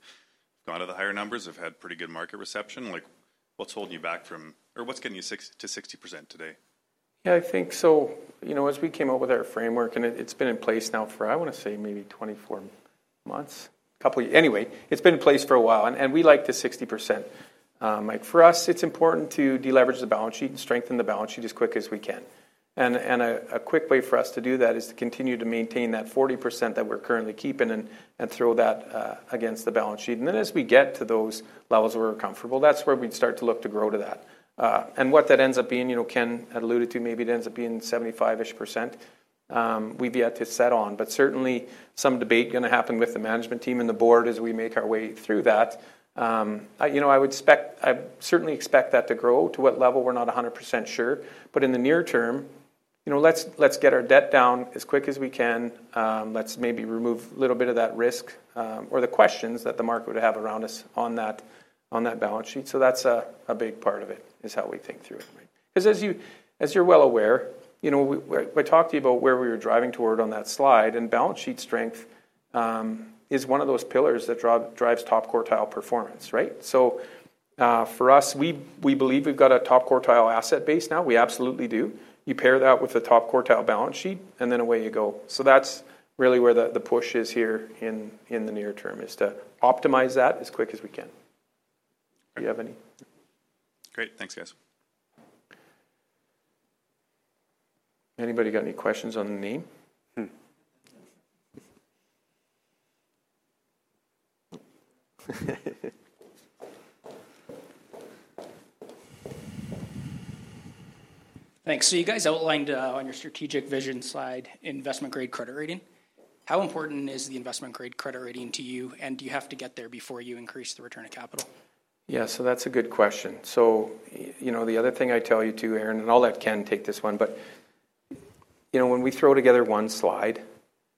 gone to the higher numbers have had pretty good market reception. What's holding you back from or what's getting you to 60% today? Yeah. I think so. As we came up with our framework, and it's been in place now for, I want to say, maybe 24 months, a couple of years. Anyway, it's been in place for a while. And we like the 60%. For us, it's important to deleverage the balance sheet and strengthen the balance sheet as quick as we can. And a quick way for us to do that is to continue to maintain that 40% that we're currently keeping and throw that against the balance sheet. And then as we get to those levels where we're comfortable, that's where we'd start to look to grow to that. And what that ends up being, Ken had alluded to, maybe it ends up being 75-ish % we've yet to set on. But certainly, some debate is going to happen with the management team and the Board as we make our way through that. I certainly expect that to grow to what level. We're not 100% sure. But in the near term, let's get our debt down as quick as we can. Let's maybe remove a little bit of that risk or the questions that the market would have around us on that balance sheet. So that's a big part of it is how we think through it, right? Because as you're well aware, I talked to you about where we were driving toward on that slide. And balance sheet strength is one of those pillars that drives top quartile performance, right? So for us, we believe we've got a top quartile asset base now. We absolutely do. You pair that with a top quartile balance sheet, and then away you go. That's really where the push is here in the near term, is to optimize that as quick as we can. Do you have any? Great. Thanks, guys. Anybody got any questions on the name? Thanks. So you guys outlined on your strategic vision slide investment-grade credit rating. How important is the investment-grade credit rating to you? And do you have to get there before you increase the return of capital? Yeah. So that's a good question. So the other thing I tell you too, Aaron, and I'll let Ken take this one, but when we throw together one slide,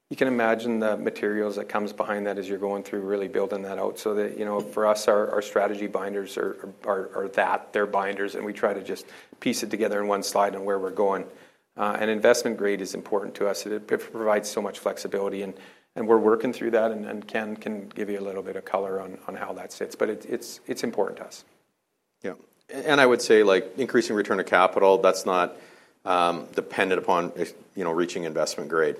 you can imagine the materials that come behind that as you're going through really building that out so that for us, our strategy binders are that. They're binders. We try to just piece it together in one slide and where we're going. Investment grade is important to us. It provides so much flexibility. We're working through that. Ken can give you a little bit of color on how that sits. But it's important to us. Yeah. And I would say increasing return of capital, that's not dependent upon reaching investment grade.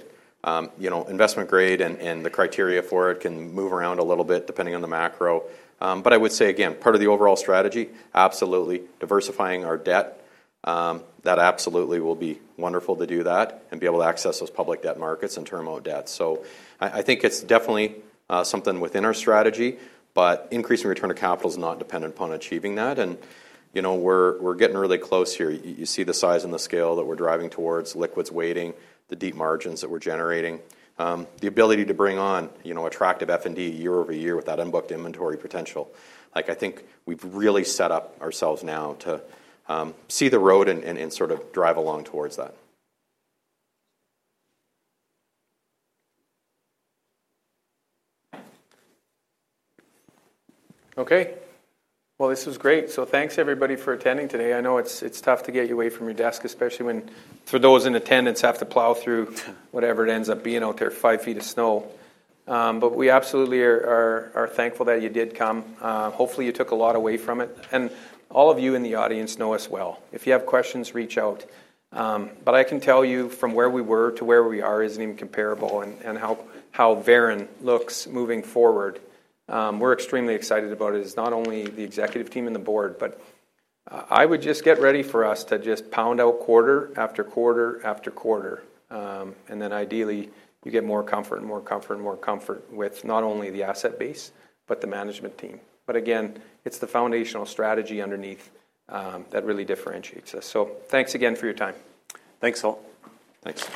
Investment grade and the criteria for it can move around a little bit depending on the macro. But I would say, again, part of the overall strategy, absolutely, diversifying our debt. That absolutely will be wonderful to do that and be able to access those public debt markets and term-out debt. So I think it's definitely something within our strategy. But increasing return of capital is not dependent upon achieving that. And we're getting really close here. You see the size and the scale that we're driving towards, liquids weighting, the deep margins that we're generating, the ability to bring on attractive F&D year over year with that unbooked inventory potential. I think we've really set up ourselves now to see the road and sort of drive along towards that. OK. Well, this was great. So thanks, everybody, for attending today. I know it's tough to get you away from your desk, especially when for those in attendance, have to plow through whatever it ends up being out there, five feet of snow. But we absolutely are thankful that you did come. Hopefully, you took a lot away from it. And all of you in the audience know us well. If you have questions, reach out. But I can tell you, from where we were to where we are isn't even comparable and how varying it looks moving forward. We're extremely excited about it, not only the executive team and the Board. But I would just get ready for us to just pound out quarter after quarter after quarter. And then ideally, you get more comfort and more comfort and more comfort with not only the asset base but the management team. But again, it's the foundational strategy underneath that really differentiates us. So thanks again for your time. Thanks, all. Thanks.